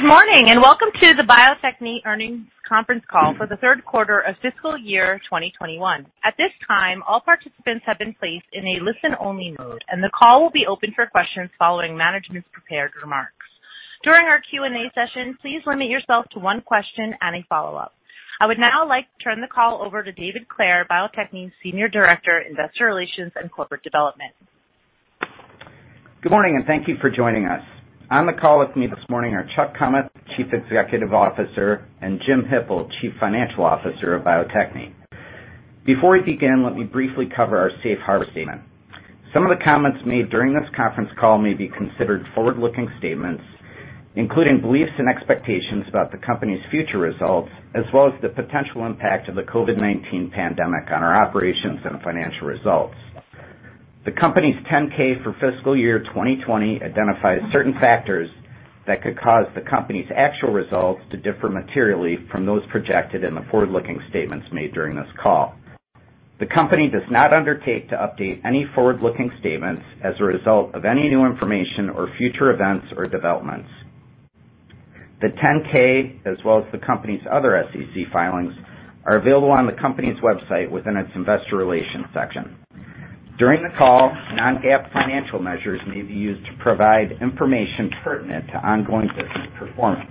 Good morning, and welcome to the Bio-Techne earnings conference call for the third quarter of fiscal year 2021. At this time, all participants have been placed in a listen-only mode, and the call will be open for questions following management's prepared remarks. During our Q&A session, please limit yourself to one question and a follow-up. I would now like to turn the call over to David Clair, Bio-Techne's Senior Director, Investor Relations and Corporate Development. Good morning, and thank you for joining us. On the call with me this morning are Chuck Kummeth, Chief Executive Officer, and Jim Hippel, Chief Financial Officer of Bio-Techne. Before we begin, let me briefly cover our safe harbor statement. Some of the comments made during this conference call may be considered forward-looking statements, including beliefs and expectations about the company's future results, as well as the potential impact of the COVID-19 pandemic on our operations and financial results. The company's 10-K for fiscal year 2020 identifies certain factors that could cause the company's actual results to differ materially from those projected in the forward-looking statements made during this call. The company does not undertake to update any forward-looking statements as a result of any new information or future events or developments. The 10-K, as well as the company's other SEC filings, are available on the company's website within its investor relations section. During the call, non-GAAP financial measures may be used to provide information pertinent to ongoing business performance.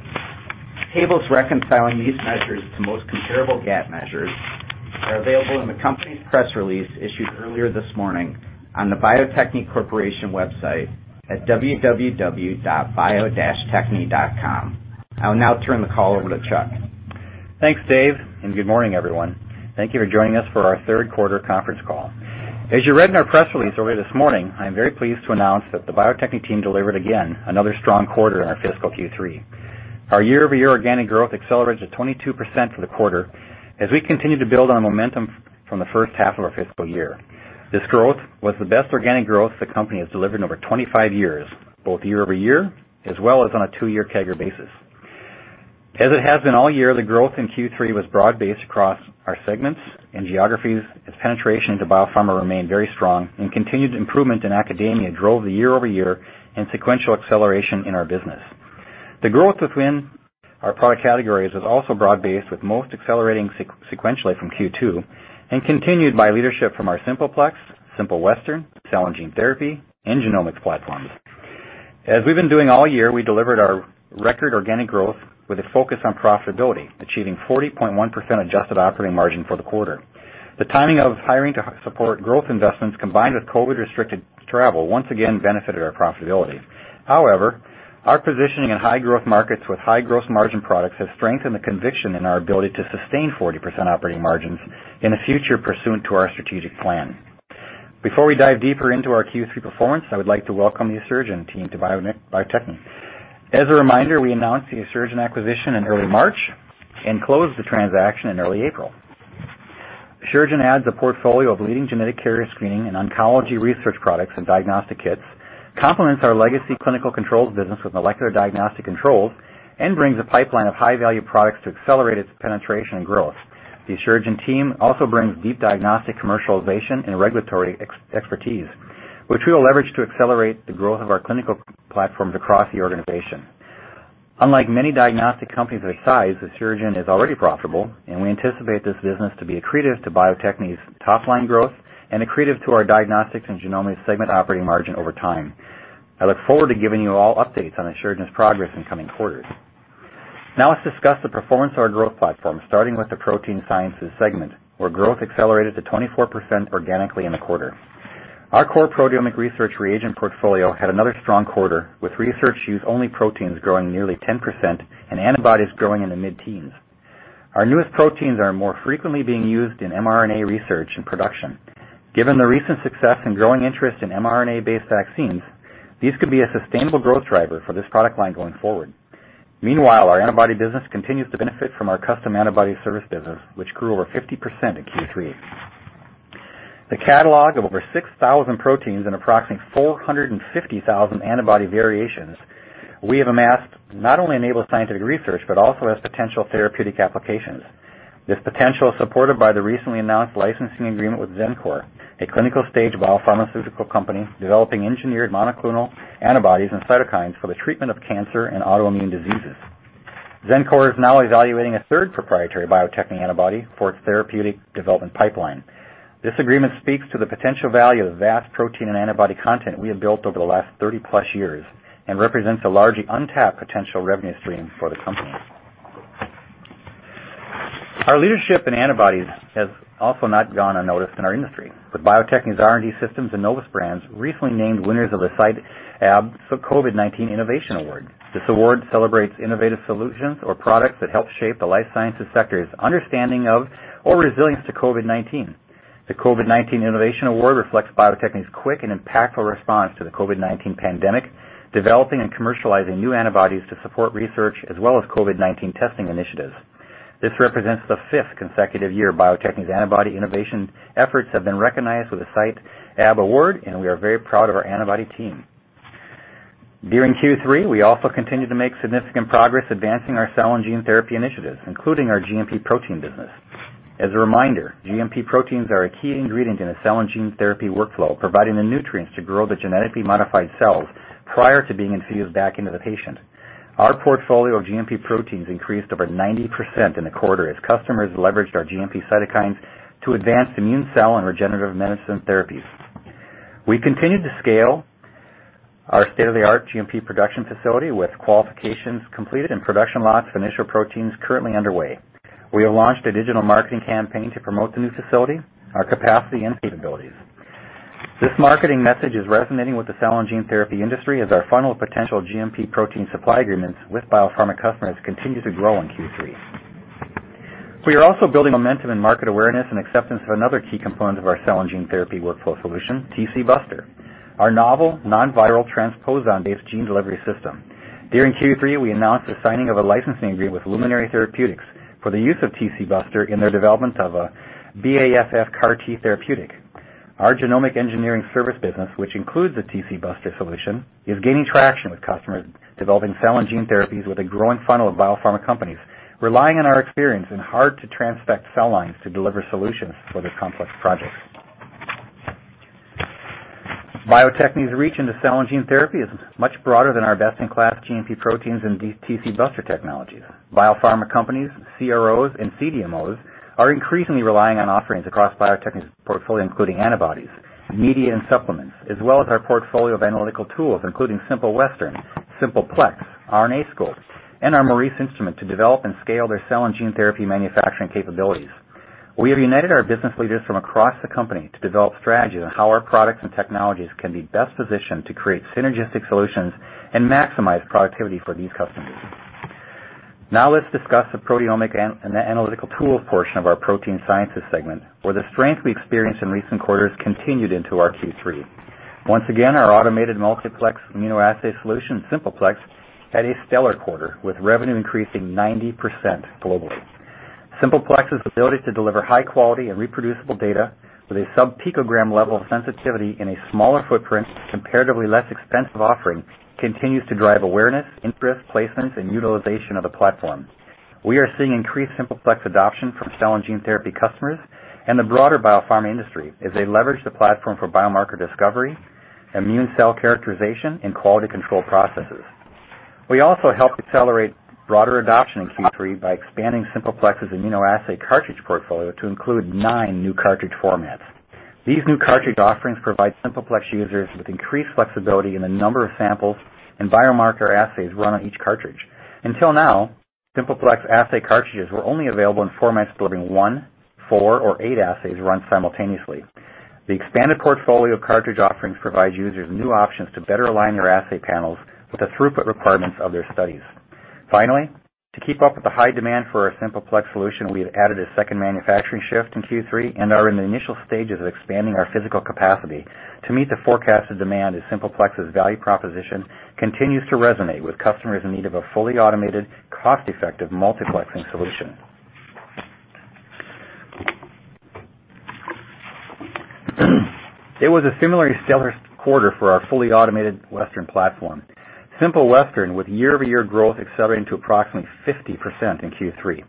Tables reconciling these measures to the most comparable GAAP measures are available in the company's press release issued earlier this morning on the Bio-Techne Corporation website at www.bio-techne.com. I will now turn the call over to Chuck. Thanks, Dave. Good morning, everyone. Thank you for joining us for our third quarter conference call. As you read in our press release earlier this morning, I am very pleased to announce that the Bio-Techne team delivered again another strong quarter in our fiscal Q3. Our year-over-year organic growth accelerated 22% for the quarter as we continued to build on the momentum from the first half of our fiscal year. This growth was the best organic growth the company has delivered in over 25 years, both year-over-year as well as on a two-year CAGR basis. As it has been all year, the growth in Q3 was broad-based across our segments and geographies, as penetration into biopharma remained very strong and continued improvement in academia drove the year-over-year and sequential acceleration in our business. The growth within our product categories was also broad-based, with most accelerating sequentially from Q2 and continued by leadership from our Simple Plex, Simple Western, Cell & Gene Therapy, and genomics platforms. As we've been doing all year, we delivered our record organic growth with a focus on profitability, achieving 40.1% adjusted operating margin for the quarter. The timing of hiring to support growth investments, combined with COVID-restricted travel, once again benefited our profitability. Our positioning in high growth markets with high gross margin products has strengthened the conviction in our ability to sustain 40% operating margins in the future pursuant to our strategic plan. Before we dive deeper into our Q3 performance, I would like to welcome the Asuragen team to Bio-Techne. As a reminder, we announced the Asuragen acquisition in early March and closed the transaction in early April. Asuragen adds a portfolio of leading genetic carrier screening and oncology research products and diagnostic kits, complements our legacy clinical controls business with molecular diagnostic controls, and brings a pipeline of high-value products to accelerate its penetration and growth. The Asuragen team also brings deep diagnostic commercialization and regulatory expertise, which we will leverage to accelerate the growth of our clinical platforms across the organization. Unlike many diagnostic companies of this size, Asuragen is already profitable, and we anticipate this business to be accretive to Bio-Techne's top-line growth and accretive to our diagnostics and genomics segment operating margin over time. I look forward to giving you all updates on Asuragen's progress in coming quarters. Let's discuss the performance of our growth platforms, starting with the Protein Sciences segment, where growth accelerated to 24% organically in the quarter. Our core proteomic research reagent portfolio had another strong quarter, with research use only proteins growing nearly 10% and antibodies growing in the mid-teens. Our newest proteins are more frequently being used in mRNA research and production. Given the recent success and growing interest in mRNA-based vaccines, these could be a sustainable growth driver for this product line going forward. Meanwhile, our antibody business continues to benefit from our custom antibody service business, which grew over 50% in Q3. The catalog of over 6,000 proteins and approximately 450,000 antibody variations we have amassed not only enables scientific research but also has potential therapeutic applications. This potential is supported by the recently announced licensing agreement with Xencor, a clinical-stage biopharmaceutical company developing engineered monoclonal antibodies and cytokines for the treatment of cancer and autoimmune diseases. Xencor is now evaluating a third proprietary Bio-Techne antibody for its therapeutic development pipeline. This agreement speaks to the potential value of the vast protein and antibody content we have built over the last 30+ years and represents a largely untapped potential revenue stream for the company. Our leadership in antibodies has also not gone unnoticed in our industry, with Bio-Techne's R&D Systems and Novus brands recently named winners of the CiteAb COVID-19 Innovation Award. This award celebrates innovative solutions or products that help shape the life sciences sector's understanding of or resilience to COVID-19. The COVID-19 Innovation Award reflects Bio-Techne's quick and impactful response to the COVID-19 pandemic, developing and commercializing new antibodies to support research as well as COVID-19 testing initiatives. This represents the fifth consecutive year Bio-Techne's antibody innovation efforts have been recognized with a CiteAb award, and we are very proud of our antibody team. During Q3, we also continued to make significant progress advancing our cell and gene therapy initiatives, including our GMP protein business. As a reminder, GMP proteins are a key ingredient in the cell and gene therapy workflow, providing the nutrients to grow the genetically modified cells prior to being infused back into the patient. Our portfolio of GMP proteins increased over 90% in the quarter as customers leveraged our GMP cytokines to advance immune cell and regenerative medicine therapies. We continued to scale our state-of-the-art GMP production facility with qualifications completed and production lots of initial proteins currently underway. We have launched a digital marketing campaign to promote the new facility, our capacity, and capabilities. This marketing message is resonating with the cell and gene therapy industry as our funnel of potential GMP protein supply agreements with biopharma customers continues to grow in Q3. We are also building momentum in market awareness and acceptance of another key component of our cell and gene therapy workflow solution, TcBuster, our novel non-viral transposon-based gene delivery system. During Q3, we announced the signing of a licensing agreement with Luminary Therapeutics for the use of TcBuster in their development of a BAFF-R CAR-T therapeutic. Our genomic engineering service business, which includes the TcBuster solution, is gaining traction with customers developing cell and gene therapies with a growing funnel of biopharma companies, relying on our experience in hard-to-transfect cell lines to deliver solutions for their complex projects. Bio-Techne's reach into cell and gene therapy is much broader than our best-in-class GMP proteins and TcBuster technologies. Biopharma companies, CROs, and CDMOs are increasingly relying on offerings across Bio-Techne's portfolio, including antibodies, media and supplements, as well as our portfolio of analytical tools, including Simple Western, Simple Plex, RNAscope, and our Maurice instrument to develop and scale their cell and gene therapy manufacturing capabilities. We have united our business leaders from across the company to develop strategies on how our products and technologies can be best positioned to create synergistic solutions and maximize productivity for these customers. Let's discuss the proteomic and analytical tools portion of our Protein Sciences segment, where the strength we experienced in recent quarters continued into our Q3. Once again, our automated multiplex immunoassay solution, Simple Plex, had a stellar quarter, with revenue increasing 90% globally. Simple Plex's ability to deliver high quality and reproducible data with a sub-picogram level of sensitivity in a smaller footprint, comparatively less expensive offering, continues to drive awareness, interest, placements, and utilization of the platform. We are seeing increased Simple Plex adoption from cell and gene therapy customers and the broader biopharma industry as they leverage the platform for biomarker discovery, immune cell characterization, and quality control processes. We also helped accelerate broader adoption in Q3 by expanding Simple Plex's immunoassay cartridge portfolio to include nine new cartridge formats. These new cartridge offerings provide Simple Plex users with increased flexibility in the number of samples and biomarker assays run on each cartridge. Until now, Simple Plex assay cartridges were only available in formats building one, four, or eight assays run simultaneously. The expanded portfolio of cartridge offerings provides users new options to better align their assay panels with the throughput requirements of their studies. Finally, to keep up with the high demand for our Simple Plex solution, we have added a second manufacturing shift in Q3 and are in the initial stages of expanding our physical capacity to meet the forecasted demand as Simple Plex's value proposition continues to resonate with customers in need of a fully automated, cost-effective multiplexing solution. It was a similarly stellar quarter for our fully automated Western platform, Simple Western, with year-over-year growth accelerating to approximately 50% in Q3.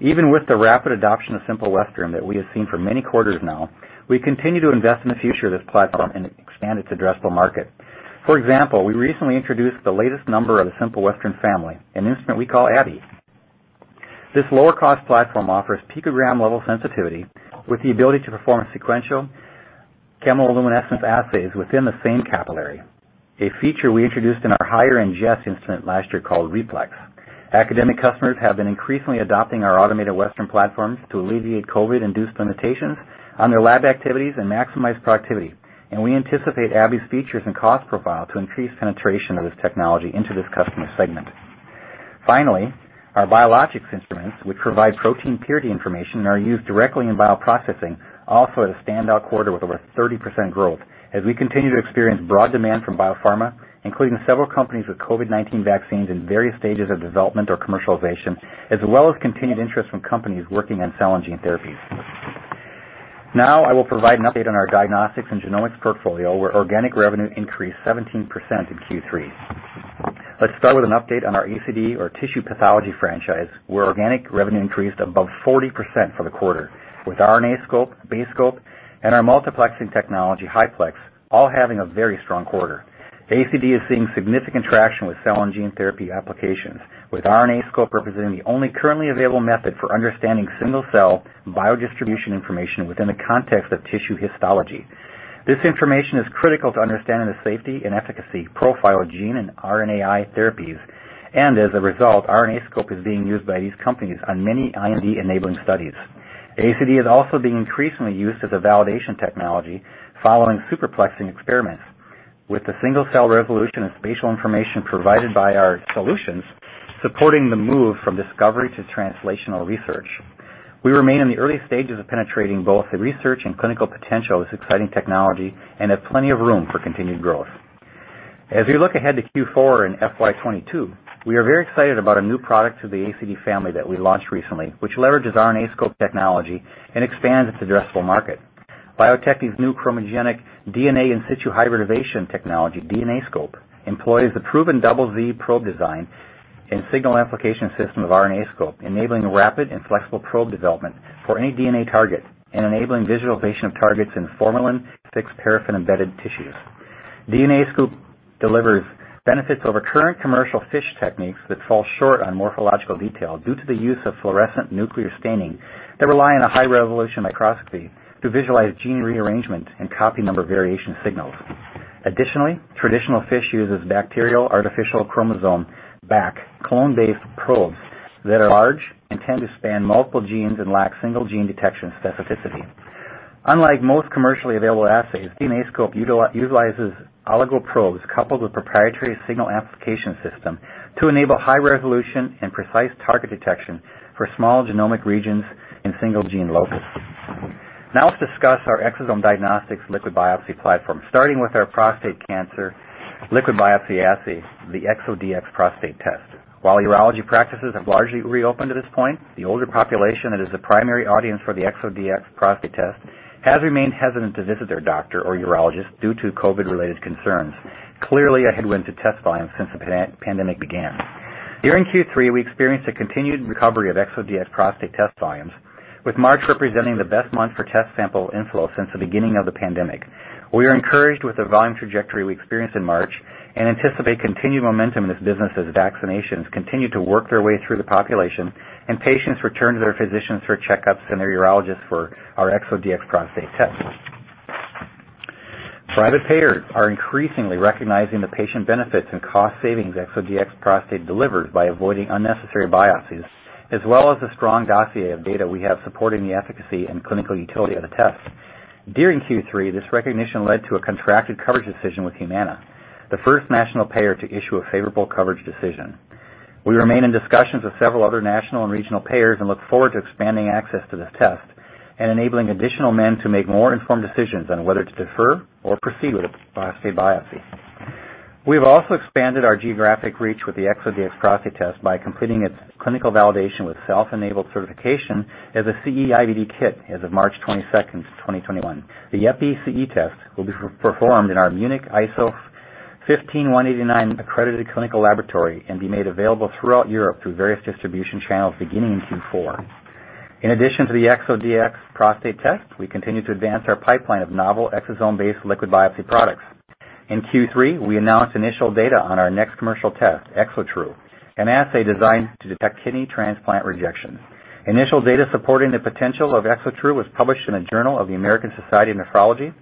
Even with the rapid adoption of Simple Western that we have seen for many quarters now, we continue to invest in the future of this platform and expand its addressable market. For example, we recently introduced the latest number of the Simple Western family, an instrument we call Abby. This lower-cost platform offers picogram level sensitivity with the ability to perform sequential chemiluminescent assays within the same capillary, a feature we introduced in our higher Jess instrument last year called RePlex. Academic customers have been increasingly adopting our automated Western platforms to alleviate COVID-induced limitations on their lab activities and maximize productivity, and we anticipate Abby's features and cost profile to increase penetration of this technology into this customer segment. Finally, our biologics instruments, which provide protein purity information and are used directly in bioprocessing, also had a standout quarter with over 30% growth as we continue to experience broad demand from biopharma, including several companies with COVID-19 vaccines in various stages of development or commercialization, as well as continued interest from companies working on cell and gene therapies. Now I will provide an update on our diagnostics and genomics portfolio, where organic revenue increased 17% in Q3. Let's start with an update on our ACD or tissue pathology franchise, where organic revenue increased above 40% for the quarter with RNAscope, BaseScope, and our multiplexing technology, HiPlex, all having a very strong quarter. ACD is seeing significant traction with cell and gene therapy applications, with RNAscope representing the only currently available method for understanding single cell biodistribution information within the context of tissue histology. This information is critical to understanding the safety and efficacy profile of gene and RNAi therapies. As a result, RNAscope is being used by these companies on many IND-enabling studies. ACD is also being increasingly used as a validation technology following multiplexing experiments with the single-cell resolution and spatial information provided by our solutions, supporting the move from discovery to translational research. We remain in the early stages of penetrating both the research and clinical potential of this exciting technology and have plenty of room for continued growth. As we look ahead to Q4 and FY 2022, we are very excited about a new product to the ACD family that we launched recently, which leverages RNAscope technology and expands its addressable market. Bio-Techne's new chromogenic DNA in situ hybridization technology, DNAscope, employs the proven double Z probe design and signal amplification system of RNAscope, enabling rapid and flexible probe development for any DNA target and enabling visualization of targets in formalin-fixed, paraffin-embedded tissues. DNAscope delivers benefits over current commercial FISH techniques that fall short on morphological detail due to the use of fluorescent nuclear staining that rely on a high-resolution microscopy to visualize gene rearrangement and copy number variation signals. Additionally, traditional FISH uses bacterial artificial chromosome, BAC, clone-based probes that are large and tend to span multiple genes and lack single gene detection specificity. Unlike most commercially available assays, DNAscope utilizes oligo probes coupled with proprietary signal amplification system to enable high resolution and precise target detection for small genomic regions and single gene locus. Let's discuss our exosome diagnostics liquid biopsy platform, starting with our prostate cancer liquid biopsy assay, the ExoDx Prostate Test. While urology practices have largely reopened at this point, the older population that is the primary audience for the ExoDx Prostate Test has remained hesitant to visit their doctor or urologist due to COVID-related concerns. Clearly, a headwind to test volumes since the pandemic began. During Q3, we experienced a continued recovery of ExoDx Prostate Test volumes, with March representing the best month for test sample inflow since the beginning of the pandemic. We are encouraged with the volume trajectory we experienced in March, anticipate continued momentum in this business as vaccinations continue to work their way through the population and patients return to their physicians for checkups and their urologist for our ExoDx Prostate Test. Private payers are increasingly recognizing the patient benefits and cost savings ExoDx Prostate Test delivers by avoiding unnecessary biopsies, as well as the strong dossier of data we have supporting the efficacy and clinical utility of the test. During Q3, this recognition led to a contracted coverage decision with Humana, the first national payer to issue a favorable coverage decision. We remain in discussions with several other national and regional payers and look forward to expanding access to this test and enabling additional men to make more informed decisions on whether to defer or proceed with a prostate biopsy. We've also expanded our geographic reach with the ExoDx Prostate Test by completing its clinical validation with self-enabled certification as a CE-IVD kit as of March 22nd, 2021. The CE-IVD test will be performed in our Munich ISO 15189 accredited clinical laboratory and be made available throughout Europe through various distribution channels beginning in Q4. In addition to the ExoDx Prostate Test, we continue to advance our pipeline of novel exosome-based liquid biopsy products. In Q3, we announced initial data on our next commercial test, ExoTRU, an assay designed to detect kidney transplant rejection. Initial data supporting the potential of ExoTRU was published in the Journal of the American Society of Nephrology,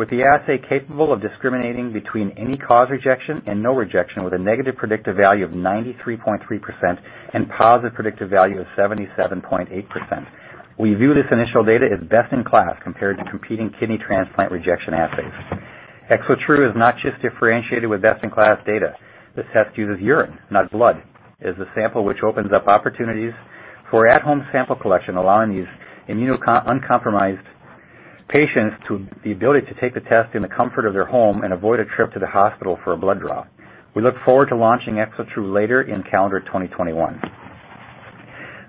with the assay capable of discriminating between any-cause rejection and no rejection with a negative predictive value of 93.3% and positive predictive value of 77.8%. We view this initial data as best in class compared to competing kidney transplant rejection assays. ExoTRU is not just differentiated with best-in-class data. This test uses urine, not blood, as the sample which opens up opportunities for at-home sample collection, allowing these immunocompromised patients the ability to take the test in the comfort of their home and avoid a trip to the hospital for a blood draw. We look forward to launching ExoTRU later in calendar 2021.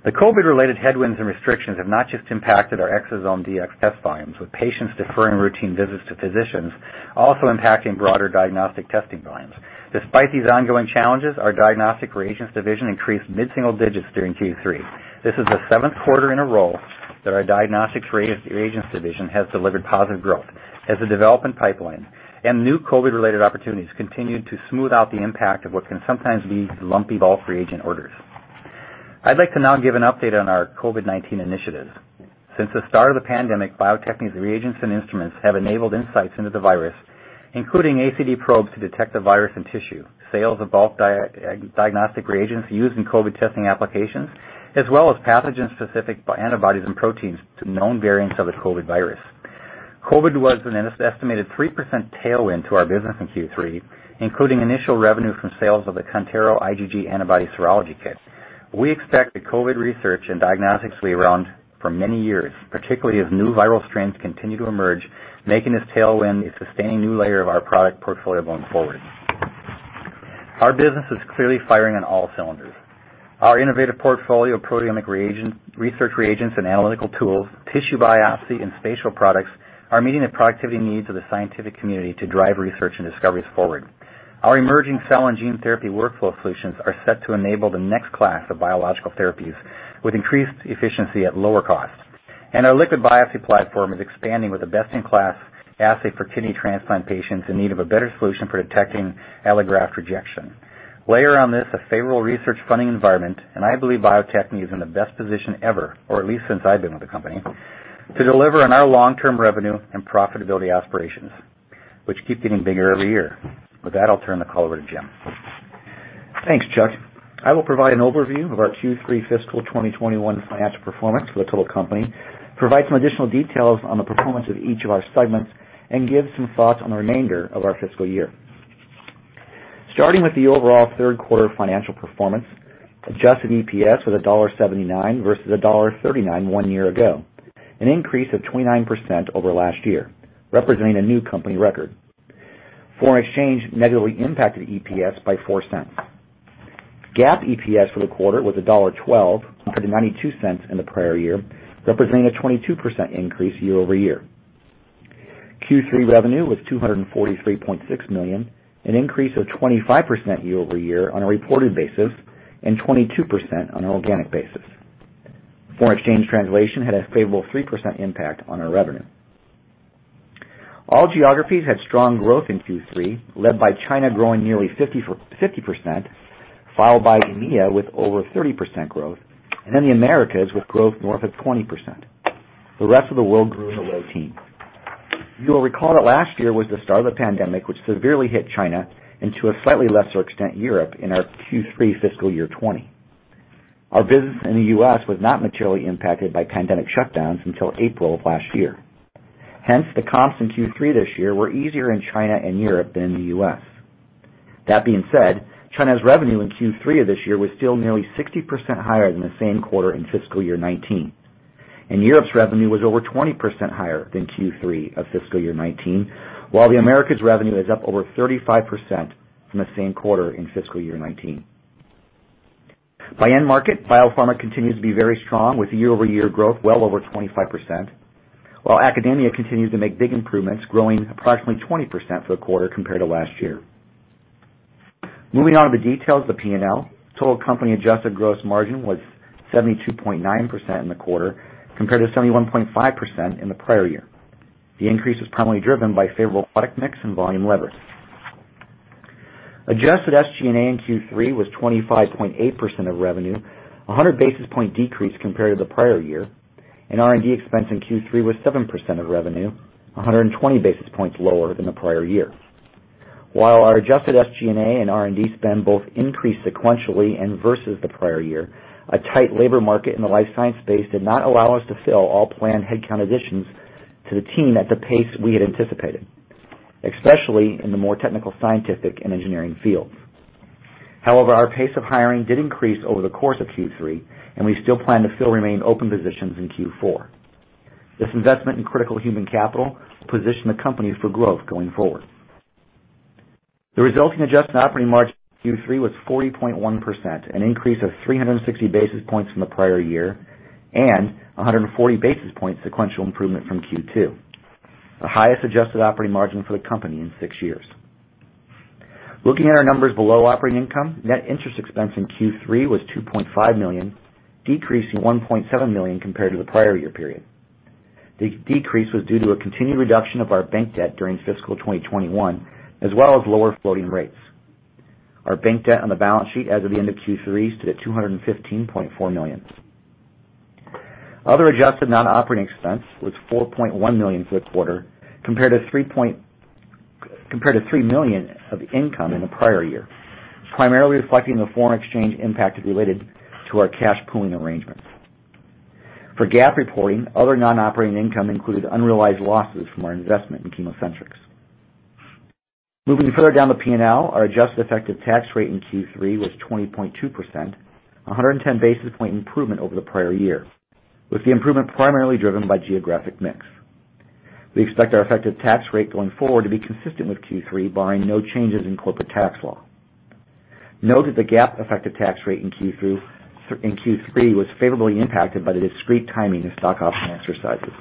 The COVID-related headwinds and restrictions have not just impacted our ExosomeDx test volumes, with patients deferring routine visits to physicians also impacting broader diagnostic testing volumes. Despite these ongoing challenges, our Diagnostics Reagent Division increased mid-single digits during Q3. This is the seventh quarter in a row that our Diagnostics Reagent Division has delivered positive growth as the development pipeline and new COVID-related opportunities continued to smooth out the impact of what can sometimes be lumpy bulk reagent orders. I'd like to now give an update on our COVID-19 initiatives. Since the start of the pandemic, Bio-Techne's reagents and instruments have enabled insights into the virus, including ACD probes to detect the virus in tissue, sales of bulk diagnostic reagents used in COVID testing applications, as well as pathogen-specific antibodies and proteins to known variants of the COVID virus. COVID was an estimated 3% tailwind to our business in Q3, including initial revenue from sales of the Kantaro IgG antibody serology kit. We expect that COVID research, and diagnostics will be around for many years, particularly as new viral strains continue to emerge, making this tailwind a sustaining new layer of our product portfolio going forward. Our business is clearly firing on all cylinders. Our innovative portfolio of proteomic research reagents and analytical tools, tissue biopsy, and spatial products are meeting the productivity needs of the scientific community to drive research and discoveries forward. Our emerging cell and gene therapy workflow solutions are set to enable the next class of biological therapies with increased efficiency at lower cost. Our liquid biopsy platform is expanding with a best-in-class assay for kidney transplant patients in need of a better solution for detecting allograft rejection. Layer on this a favorable research funding environment, I believe Bio-Techne is in the best position ever, or at least since I've been with the company, to deliver on our long-term revenue and profitability aspirations, which keep getting bigger every year. With that, I'll turn the call over to Jim. Thanks, Chuck. I will provide an overview of our Q3 fiscal 2021 financial performance for the total company, provide some additional details on the performance of each of our segments, and give some thoughts on the remainder of our fiscal year. Starting with the overall third quarter financial performance, adjusted EPS was $1.79 versus $1.39 one year ago, an increase of 29% over last year, representing a new company record. Foreign exchange negatively impacted EPS by $0.04. GAAP EPS for the quarter was $1.12 compared to $0.92 in the prior year, representing a 22% increase year-over-year. Q3 revenue was $243.6 million, an increase of 25% year-over-year on a reported basis, and 22% on an organic basis. Foreign exchange translation had a favorable 3% impact on our revenue. All geographies had strong growth in Q3, led by China growing nearly 50%, followed by EMEA with over 30% growth, and then the Americas with growth north of 20%. The rest of the world grew in the low teens. You'll recall that last year was the start of the pandemic, which severely hit China and to a slightly lesser extent, Europe in our Q3 fiscal year 2020. Our business in the U.S. was not materially impacted by pandemic shutdowns until April of last year. Hence, the comps in Q3 this year were easier in China and Europe than in the U.S. That being said, China's revenue in Q3 of this year was still nearly 60% higher than the same quarter in fiscal year 2019. Europe's revenue was over 20% higher than Q3 of fiscal year 2019, while the Americas revenue is up over 35% from the same quarter in fiscal year 2019. By end market, biopharma continues to be very strong with year-over-year growth well over 25%, while academia continues to make big improvements, growing approximately 20% for the quarter compared to last year. Moving on to the details of the P&L, total company adjusted gross margin was 72.9% in the quarter, compared to 71.5% in the prior year. The increase was primarily driven by favorable product mix and volume leverage. Adjusted SG&A in Q3 was 25.8% of revenue, a 100-basis-point decrease compared to the prior year, and R&D expense in Q3 was 7% of revenue, 120 basis points lower than the prior year. While our adjusted SG&A and R&D spend both increased sequentially and versus the prior year, a tight labor market in the life science space did not allow us to fill all planned headcount additions to the team at the pace we had anticipated, especially in the more technical, scientific, and engineering fields. Our pace of hiring did increase over the course of Q3, and we still plan to fill remaining open positions in Q4. This investment in critical human capital will position the company for growth going forward. The resulting adjusted operating margin in Q3 was 40.1%, an increase of 360 basis points from the prior year and 140 basis points sequential improvement from Q2, the highest adjusted operating margin for the company in six years. Looking at our numbers below operating income, net interest expense in Q3 was $2.5 million, decreasing $1.7 million compared to the prior year period. The decrease was due to a continued reduction of our bank debt during fiscal 2021, as well as lower floating rates. Our bank debt on the balance sheet as of the end of Q3 stood at $215.4 million. Other adjusted non-operating expense was $4.1 million for the quarter compared to $3 million of income in the prior year, primarily reflecting the foreign exchange impact related to our cash pooling arrangements. For GAAP reporting, other non-operating income included unrealized losses from our investment in ChemoCentryx. Moving further down the P&L, our adjusted effective tax rate in Q3 was 20.2%, a 110-basis-point improvement over the prior year, with the improvement primarily driven by geographic mix. We expect our effective tax rate going forward to be consistent with Q3, barring no changes in corporate tax law. Note that the GAAP effective tax rate in Q3 was favorably impacted by the discrete timing of stock option exercises.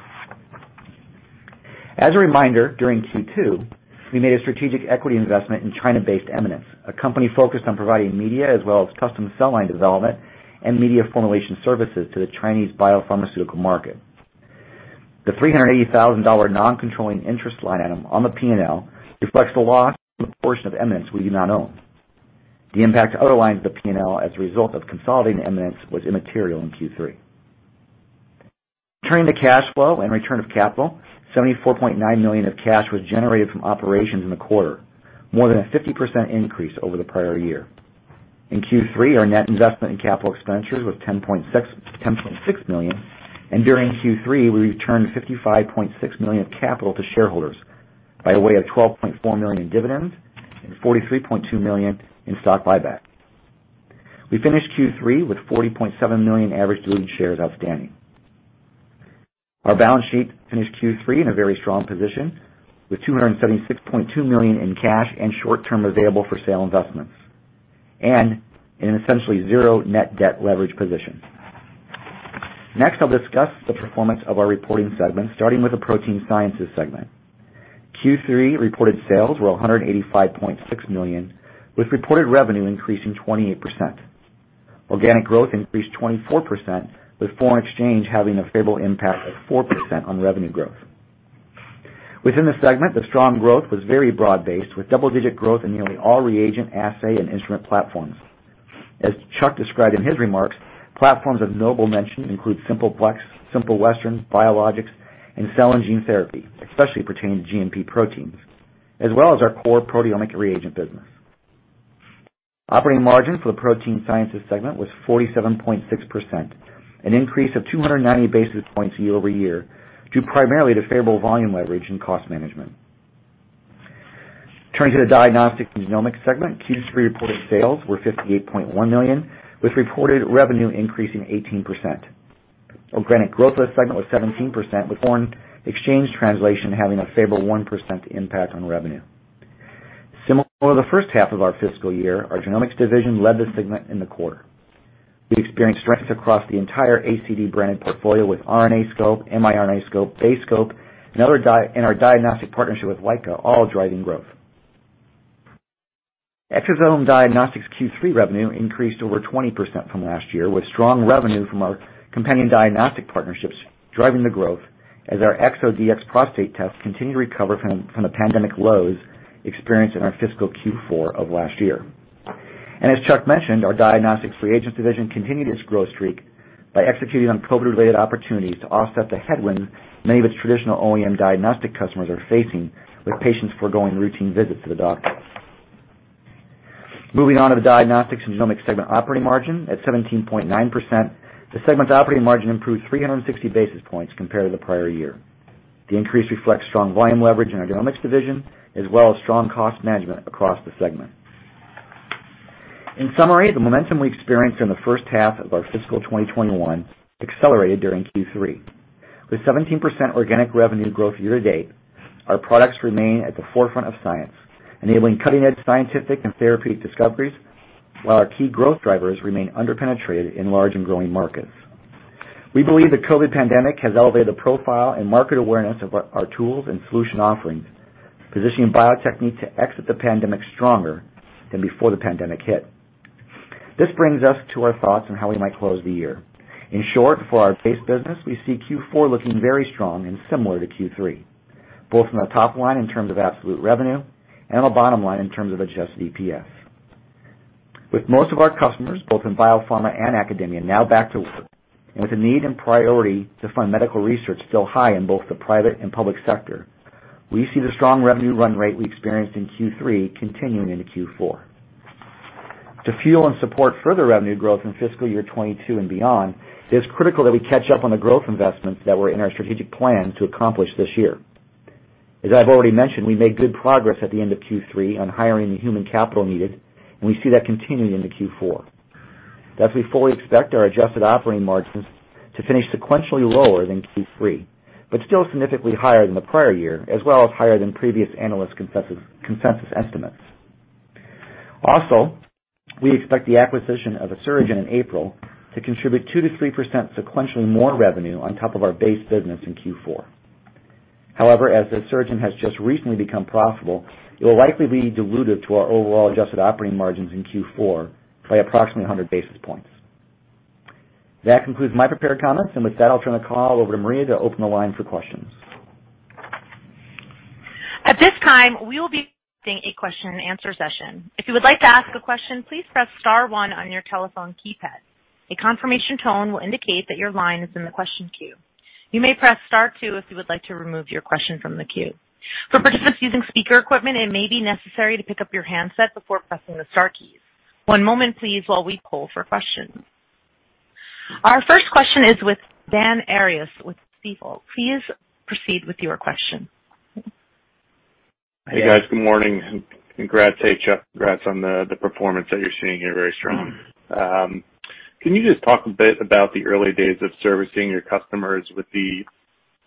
As a reminder, during Q2, we made a strategic equity investment in China-based Eminence, a company focused on providing media as well as custom cell line development and media formulation services to the Chinese biopharmaceutical market. The $380,000 non-controlling interest line item on the P&L reflects the loss from the portion of Eminence we do not own. The impact to other lines of the P&L as a result of consolidating Eminence was immaterial in Q3. Turning to cash flow and return of capital, $74.9 million of cash was generated from operations in the quarter, more than a 50% increase over the prior year. In Q3, our net investment in capital expenditures was $10.6 million, and during Q3, we returned $55.6 million of capital to shareholders by way of $12.4 million in dividends and $43.2 million in stock buyback. We finished Q3 with $40.7 million average diluted shares outstanding. Our balance sheet finished Q3 in a very strong position with $276.2 million in cash and short term available-for-sale investments, and in an essentially zero net debt leverage position. Next, I'll discuss the performance of our reporting segments, starting with the Protein Sciences segment. Q3 reported sales were $185.6 million, with reported revenue increasing 28%. Organic growth increased 24%, with foreign exchange having a favorable impact of 4% on revenue growth. Within the segment, the strong growth was very broad-based, with double-digit growth in nearly all reagent, assay, and instrument platforms. As Chuck described in his remarks, platforms of notable mention include Simple Plex, Simple Western, Biologics, and Cell & Gene Therapy, especially pertaining to GMP proteins, as well as our core proteomic reagent business. Operating margin for the Protein Sciences segment was 47.6%, an increase of 290 basis points year-over-year, due primarily to favorable volume leverage and cost management. Turning to the diagnostic and genomics segment, Q3 reported sales were $58.1 million, with reported revenue increasing 18%. Organic growth of the segment was 17%, with foreign exchange translation having a favorable 1% impact on revenue. Similar to the first half of our fiscal year, our genomics division led the segment in the quarter. We experienced strength across the entire ACD brand portfolio, with RNAscope, miRNAscope, BaseScope and our diagnostic partnership with Leica all driving growth. Exosome Diagnostics Q3 revenue increased over 20% from last year, with strong revenue from our companion diagnostic partnerships driving the growth as our ExoDx Prostate Test continue to recover from the pandemic lows experienced in our fiscal Q4 of last year. As Chuck mentioned, our Diagnostics Reagent Division continued its growth streak by executing on COVID-related opportunities to offset the headwinds many of its traditional OEM diagnostic customers are facing, with patients foregoing routine visits to the doctor. Moving on to the diagnostics and genomics segment operating margin at 17.9%, the segment's operating margin improved 360 basis points compared to the prior year. The increase reflects strong volume leverage in our genomics division, as well as strong cost management across the segment. In summary, the momentum we experienced in the first half of our fiscal 2021 accelerated during Q3. With 17% organic revenue growth year to date, our products remain at the forefront of science, enabling cutting-edge scientific and therapeutic discoveries, while our key growth drivers remain under-penetrated in large and growing markets. We believe the COVID pandemic has elevated the profile and market awareness of our tools and solution offerings, positioning Bio-Techne to exit the pandemic stronger than before the pandemic hit. This brings us to our thoughts on how we might close the year. In short, for our base business, we see Q4 looking very strong and similar to Q3, both on the top line in terms of absolute revenue and on the bottom line in terms of adjusted EPS. With most of our customers, both in biopharma and academia, now back to work, with the need and priority to fund medical research still high in both the private and public sector, we see the strong revenue run rate we experienced in Q3 continuing into Q4. To fuel and support further revenue growth in fiscal year 2022 and beyond, it is critical that we catch up on the growth investments that were in our strategic plan to accomplish this year. As I've already mentioned, we made good progress at the end of Q3 on hiring the human capital needed, and we see that continuing into Q4. Thus, we fully expect our adjusted operating margins to finish sequentially lower than Q3, but still significantly higher than the prior year, as well as higher than previous analyst consensus estimates. We expect the acquisition of Asuragen in April to contribute 2%-3% sequentially more revenue on top of our base business in Q4. However, as Asuragen has just recently become profitable, it will likely be dilutive to our overall adjusted operating margins in Q4 by approximately 100 basis points. That concludes my prepared comments. With that, I'll turn the call over to Maria to open the line for questions. At this time, we will be starting a question and answer session. If you would like to ask a question, please press star one on your telephone keypad. A confirmation tone will indicate that your line is in the question queue. You may press star two if you would like to remove your question from the queue. For participants using speaker equipment, it may be necessary to pick up your handset before pressing the star keys. One moment please while we poll for questions. Our first question is with Dan Arias with Stifel. Please proceed with your question. Hey, guys. Good morning, and congrats. Hey, Chuck, congrats on the performance that you're seeing here. Very strong. Can you just talk a bit about the early days of servicing your customers with the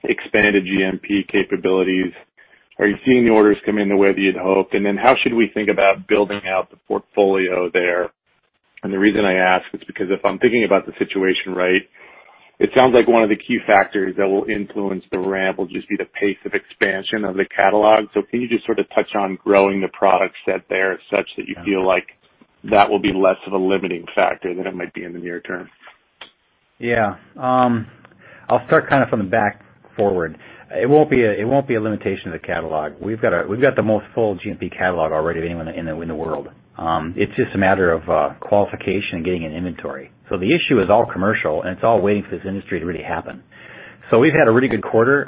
expanded GMP capabilities? Are you seeing the orders come in the way that you'd hoped? How should we think about building out the portfolio there? The reason I ask is because if I'm thinking about the situation right, it sounds like one of the key factors that will influence the ramp will just be the pace of expansion of the catalog. Can you just sort of touch on growing the product set there such that you feel like that will be less of a limiting factor than it might be in the near term? Yeah. I'll start kind of from the back forward. It won't be a limitation of the catalog. We've got the most full GMP catalog already of anyone in the world. It's just a matter of qualification and getting it inventory. The issue is all commercial, and it's all waiting for this industry to really happen. We've had a really good quarter.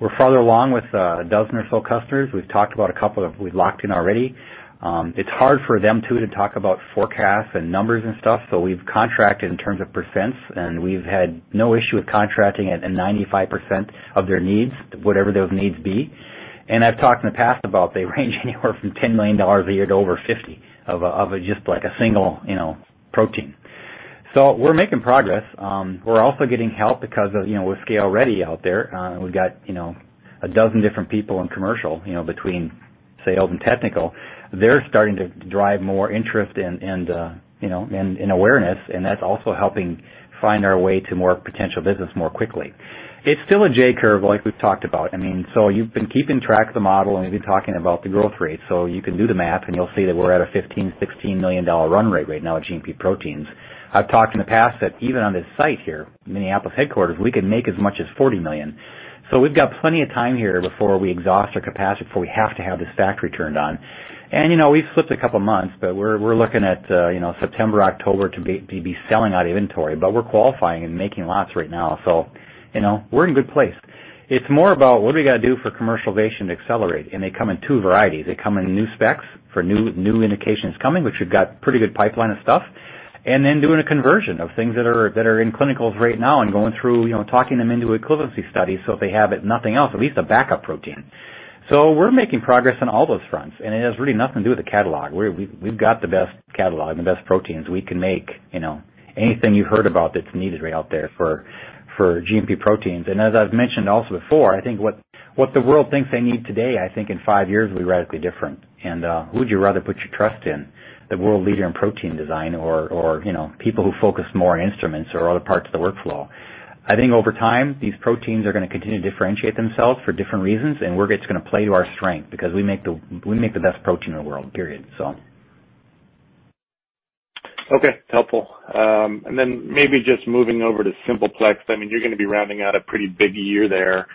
We're farther along with dozen or so customers. We've talked about a couple that we've locked in already. It's hard for them, too, to talk about forecasts and numbers and stuff, so we've contracted in terms of percents, and we've had no issue with contracting at 95% of their needs, whatever those needs be. I've talked in the past about they range anywhere from $10 million a year to over $50 million of just a single protein. We're making progress. We're also getting help because of ScaleReady out there, we've got 12 different people in commercial, between sales and technical. That's also helping find our way to more potential business more quickly. It's still a J-curve like we've talked about. You've been keeping track of the model, we've been talking about the growth rate. You can do the math, you'll see that we're at a $15 million-$16 million run rate right now at GMP proteins. I've talked in the past that even on this site here, Minneapolis headquarters, we can make as much as $40 million. We've got plenty of time here before we exhaust our capacity, before we have to have this factory turned on. We've slipped a couple months, but we're looking at September, October to be selling out inventory. We're qualifying and making lots right now, so we're in a good place. It's more about what do we got to do for commercialization to accelerate. They come in two varieties. They come in new specs for new indications coming, which we've got pretty good pipeline of stuff, and then doing a conversion of things that are in clinicals right now and going through talking them into equivalency studies, so if they have nothing else, at least a backup protein. We're making progress on all those fronts, and it has really nothing to do with the catalog. We've got the best catalog and the best proteins. We can make anything you heard about that's needed out there for GMP proteins. As I've mentioned also before, I think what the world thinks they need today, I think in five years will be radically different. Who would you rather put your trust in? The world leader in protein design or people who focus more on instruments or other parts of the workflow? I think over time, these proteins are going to continue to differentiate themselves for different reasons, and we're just going to play to our strength because we make the best protein in the world, period. Okay. Helpful. Maybe just moving over to Simple Plex, you're going to be rounding out a pretty big year there.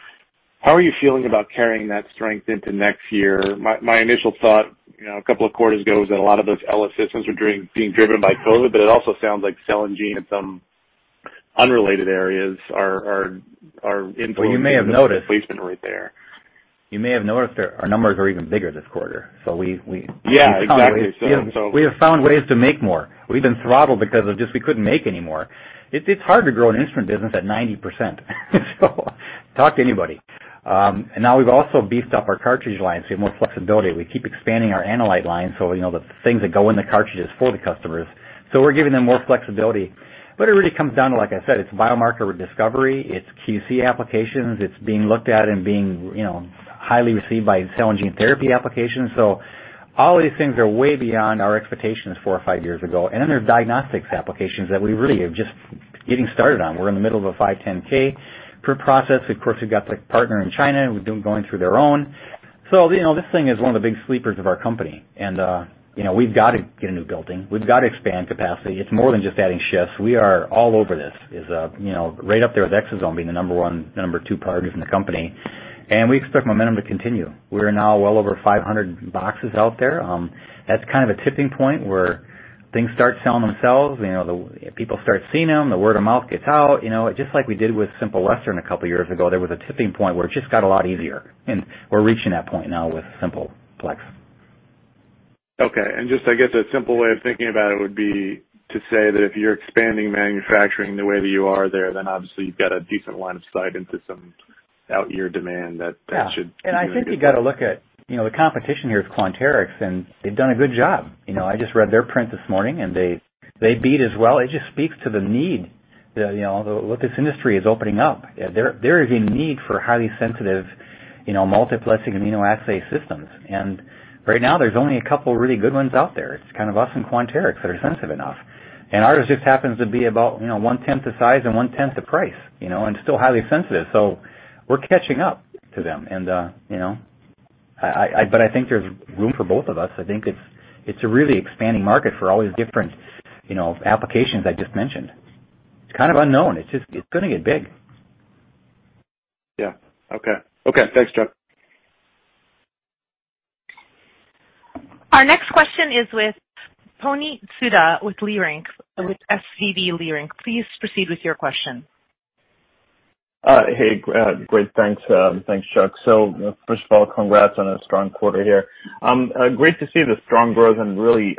How are you feeling about carrying that strength into next year? My initial thought, a couple of quarters ago, was that a lot of those Ella systems were being driven by COVID, it also sounds like cell and gene and some unrelated areas are in play. Well, you may have noticed- Replacement right there. You may have noticed our numbers are even bigger this quarter. Yeah, exactly. We have found ways to make more. We've been throttled because of just we couldn't make any more. It's hard to grow an instrument business at 90%. Talk to anybody. Now we've also beefed up our cartridge lines, so we have more flexibility. We keep expanding our analyte line, so the things that go in the cartridges for the customers. We're giving them more flexibility. It really comes down to, like I said, it's biomarker discovery, it's QC applications. It's being looked at and being highly received by cell and gene therapy applications. All these things are way beyond our expectations four or five years ago. Then there's diagnostics applications that we really are just getting started on. We're in the middle of a 510(k) process. Of course, we've got the partner in China, we've been going through their own. This thing is one of the big sleepers of our company. We've got to get a new building. We've got to expand capacity. It's more than just adding shifts. We are all over this, is right up there with Exosome being the number one, number two priorities in the company. We expect momentum to continue. We're now well over 500 boxes out there. That's kind of a tipping point where things start selling themselves. People start seeing them, the word of mouth gets out, just like we did with Simple Western a couple of years ago. There was a tipping point where it just got a lot easier, and we're reaching that point now with Simple Plex. Okay. Just, I guess a simple way of thinking about it would be to say that if you're expanding manufacturing the way that you are there, obviously you've got a decent line of sight into some out-year demand. Yeah. I think you got to look at the competition here with Quanterix, and they've done a good job. I just read their print this morning, and they beat as well. It just speaks to the need. Look, this industry is opening up. There is a need for highly sensitive, multiplexed immunoassay systems. Right now, there's only a couple of really good ones out there. It's kind of us and Quanterix that are sensitive enough, and ours just happens to be about one-tenth the size and one-tenth the price, and still highly sensitive. We're catching up to them, but I think there's room for both of us. I think it's a really expanding market for all these different applications I just mentioned. It's kind of unknown. It's going to get big. Yeah. Okay. Thanks, Chuck. Our next question is with Puneet Souda with Leerink, with SVB Leerink. Please proceed with your question. Hey, great. Thanks. Thanks, Chuck. First of all, congrats on a strong quarter here. Great to see the strong growth and really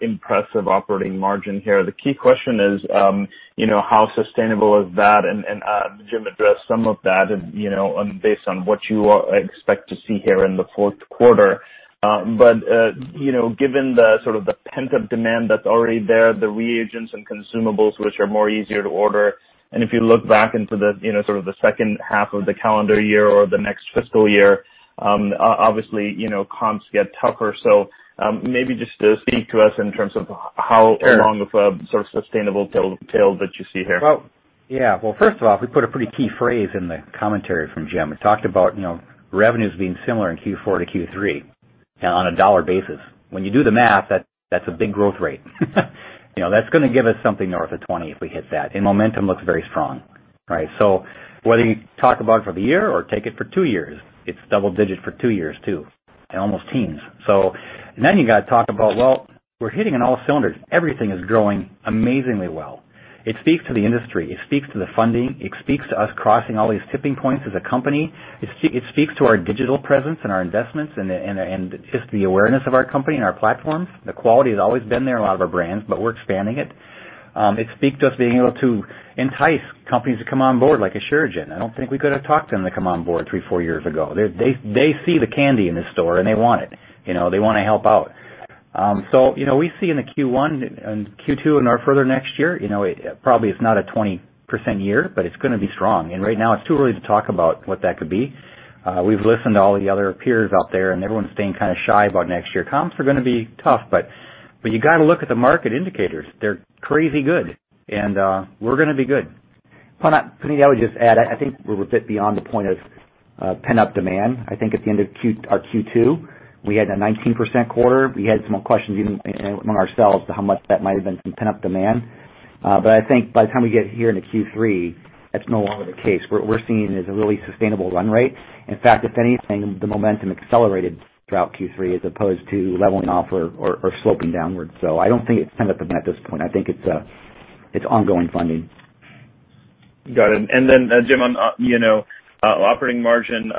impressive operating margin here. The key question is, how sustainable is that? Jim addressed some of that based on what you expect to see here in the fourth quarter. Given the sort of the pent-up demand that's already there, the reagents and consumables which are more easier to order, and if you look back into the second half of the calendar year or the next fiscal year, obviously comps get tougher. Maybe just speak to us in terms of how. Sure. Long of a sort of sustainable tail that you see here. Well, yeah. Well, first of all, we put a pretty key phrase in the commentary from Jim. We talked about revenues being similar in Q4 to Q3 on a dollar basis. When you do the math, that's a big growth rate. That's going to give us something north of 20% if we hit that, and momentum looks very strong. Right? Whether you talk about it for the year or take it for two years, it's double-digit for two years too, and almost teens. You got to talk about, well, we're hitting on all cylinders. Everything is growing amazingly well. It speaks to the industry, it speaks to the funding, it speaks to us crossing all these tipping points as a company. It speaks to our digital presence and our investments and just the awareness of our company and our platforms. The quality has always been there in a lot of our brands. We're expanding it. It speaks to us being able to entice companies to come on board, like Asuragen. I don't think we could have talked them to come on board three, four years ago. They see the candy in the store and they want it. They want to help out. We see in the Q1 and Q2 in our further next year, probably it's not a 20% year, but it's going to be strong. Right now, it's too early to talk about what that could be. We've listened to all the other peers out there, and everyone's staying kind of shy about next year. Comps are going to be tough, but you got to look at the market indicators. They're crazy good, and we're going to be good. Puneet, I would just add, I think we're a bit beyond the point of pent-up demand. I think at the end of our Q2, we had a 19% quarter. We had some questions even among ourselves to how much that might've been from pent-up demand. I think by the time we get here into Q3, that's no longer the case. What we're seeing is a really sustainable run rate. In fact, if anything, the momentum accelerated throughout Q3 as opposed to leveling off or sloping downwards. I don't think it's pent-up demand at this point. I think it's ongoing funding. Got it. Jim, on operating margin,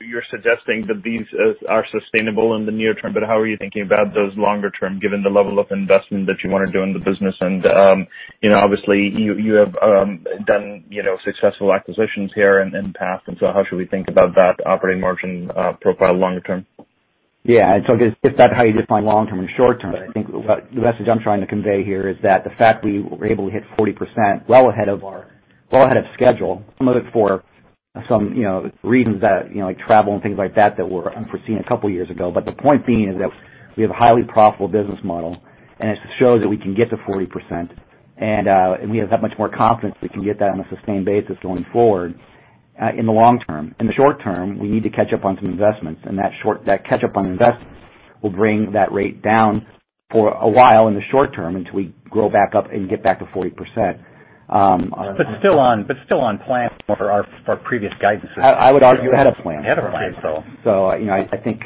you're suggesting that these are sustainable in the near term. How are you thinking about those longer term, given the level of investment that you want to do in the business? Obviously, you have done successful acquisitions here in the past. How should we think about that operating margin profile longer term? Yeah. It's okay if that's how you define long term and short term. I think the message I'm trying to convey here is that the fact we were able to hit 40% well ahead of schedule, some of it for some reasons that, like travel and things like that were unforeseen a couple of years ago. The point being is that we have a highly profitable business model, and it shows that we can get to 40%, and we have that much more confidence that we can get that on a sustained basis going forward, in the long term. In the short term, we need to catch up on some investments, and that catch up on investments will bring that rate down for a while in the short term until we grow back up and get back to 40%. Still on plan for our previous guidances. I would argue ahead of plan. Ahead of plan. I think,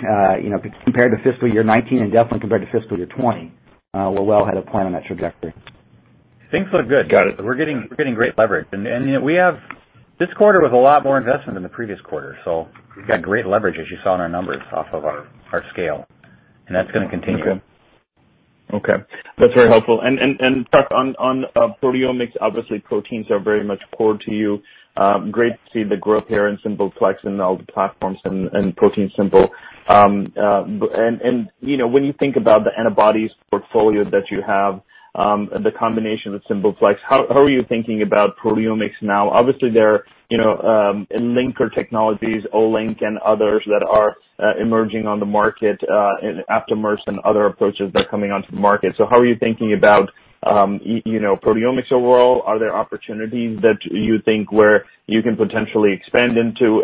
compared to fiscal year 2019 and definitely compared to fiscal year 2020, we're well ahead of plan on that trajectory. Things look good. Got it. We're getting great leverage. This quarter was a lot more investment than the previous quarter, so we've got great leverage as you saw in our numbers off of our scale, and that's going to continue. Okay. That's very helpful. Chuck, on proteomics, obviously proteins are very much core to you. Great to see the growth here in Simple Plex and all the platforms and ProteinSimple. When you think about the antibodies portfolio that you have, and the combination with Simple Plex, how are you thinking about proteomics now? Obviously, there are linker technologies, Olink and others that are emerging on the market, aptamers and other approaches that are coming onto the market. How are you thinking about proteomics overall? Are there opportunities that you think where you can potentially expand into?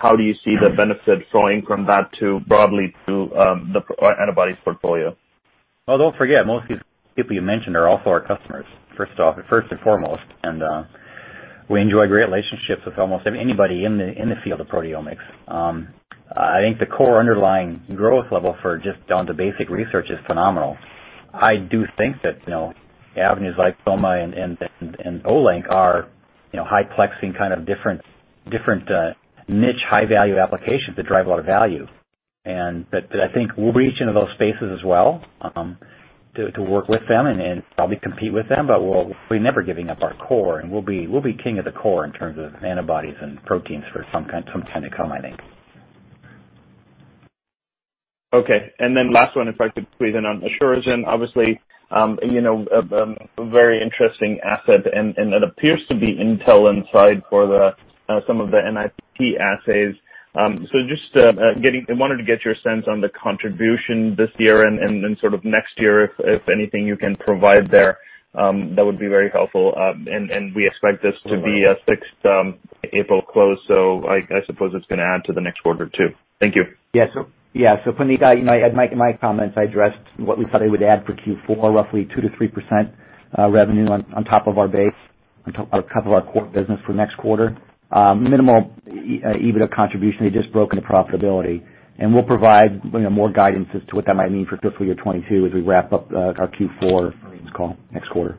How do you see the benefit flowing from that to broadly to the antibodies portfolio? Well, don't forget, most of these people you mentioned are also our customers, first and foremost, and we enjoy great relationships with almost anybody in the field of proteomics. I think the core underlying growth level for just on the basic research is phenomenal. I do think that avenues like SomaLogic and Olink are high-plexing, kind of different niche high-value applications that drive a lot of value. I think we'll reach into those spaces as well, to work with them and probably compete with them. We're never giving up our core, and we'll be king of the core in terms of antibodies and proteins for some time to come, I think. Last one, if I could please. On Asuragen, obviously, a very interesting asset and that appears to be intel inside for some of the NIPT assays. Just wanted to get your sense on the contribution this year and then sort of next year, if anything you can provide there, that would be very helpful. We expect this to be a fixed April close, so I suppose it's going to add to the next quarter too. Thank you. Puneet, in my comments, I addressed what we thought it would add for Q4, roughly 2%-3% revenue on top of our base, on top of our core business for next quarter. Minimal EBITDA contribution, they just broke into profitability. We'll provide more guidance as to what that might mean for fiscal year 2022 as we wrap up our Q4 earnings call next quarter.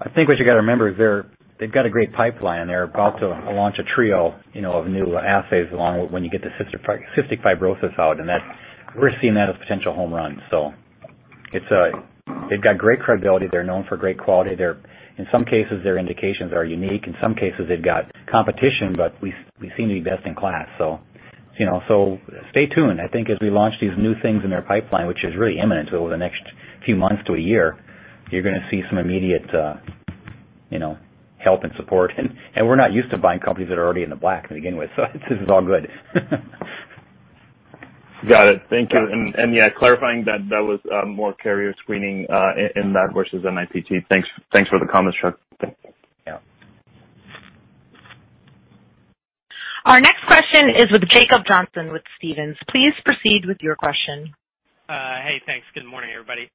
I think what you got to remember is they've got a great pipeline, and they're about to launch a trio of new assays along with when you get the cystic fibrosis out, and we're seeing that as a potential home run. They've got great credibility. They're known for great quality. In some cases, their indications are unique. In some cases, they've got competition, but we seem to be best in class, so stay tuned. I think as we launch these new things in their pipeline, which is really imminent, so over the next few months to a year, you're going to see some immediate help and support. We're not used to buying companies that are already in the black to begin with, so this is all good. Got it. Thank you. Yeah, clarifying that that was more carrier screening in that versus NIPT. Thanks for the comments, Chuck. Yeah. Our next question is with Jacob Johnson with Stephens. Please proceed with your question. Hey, thanks. Good morning, everybody.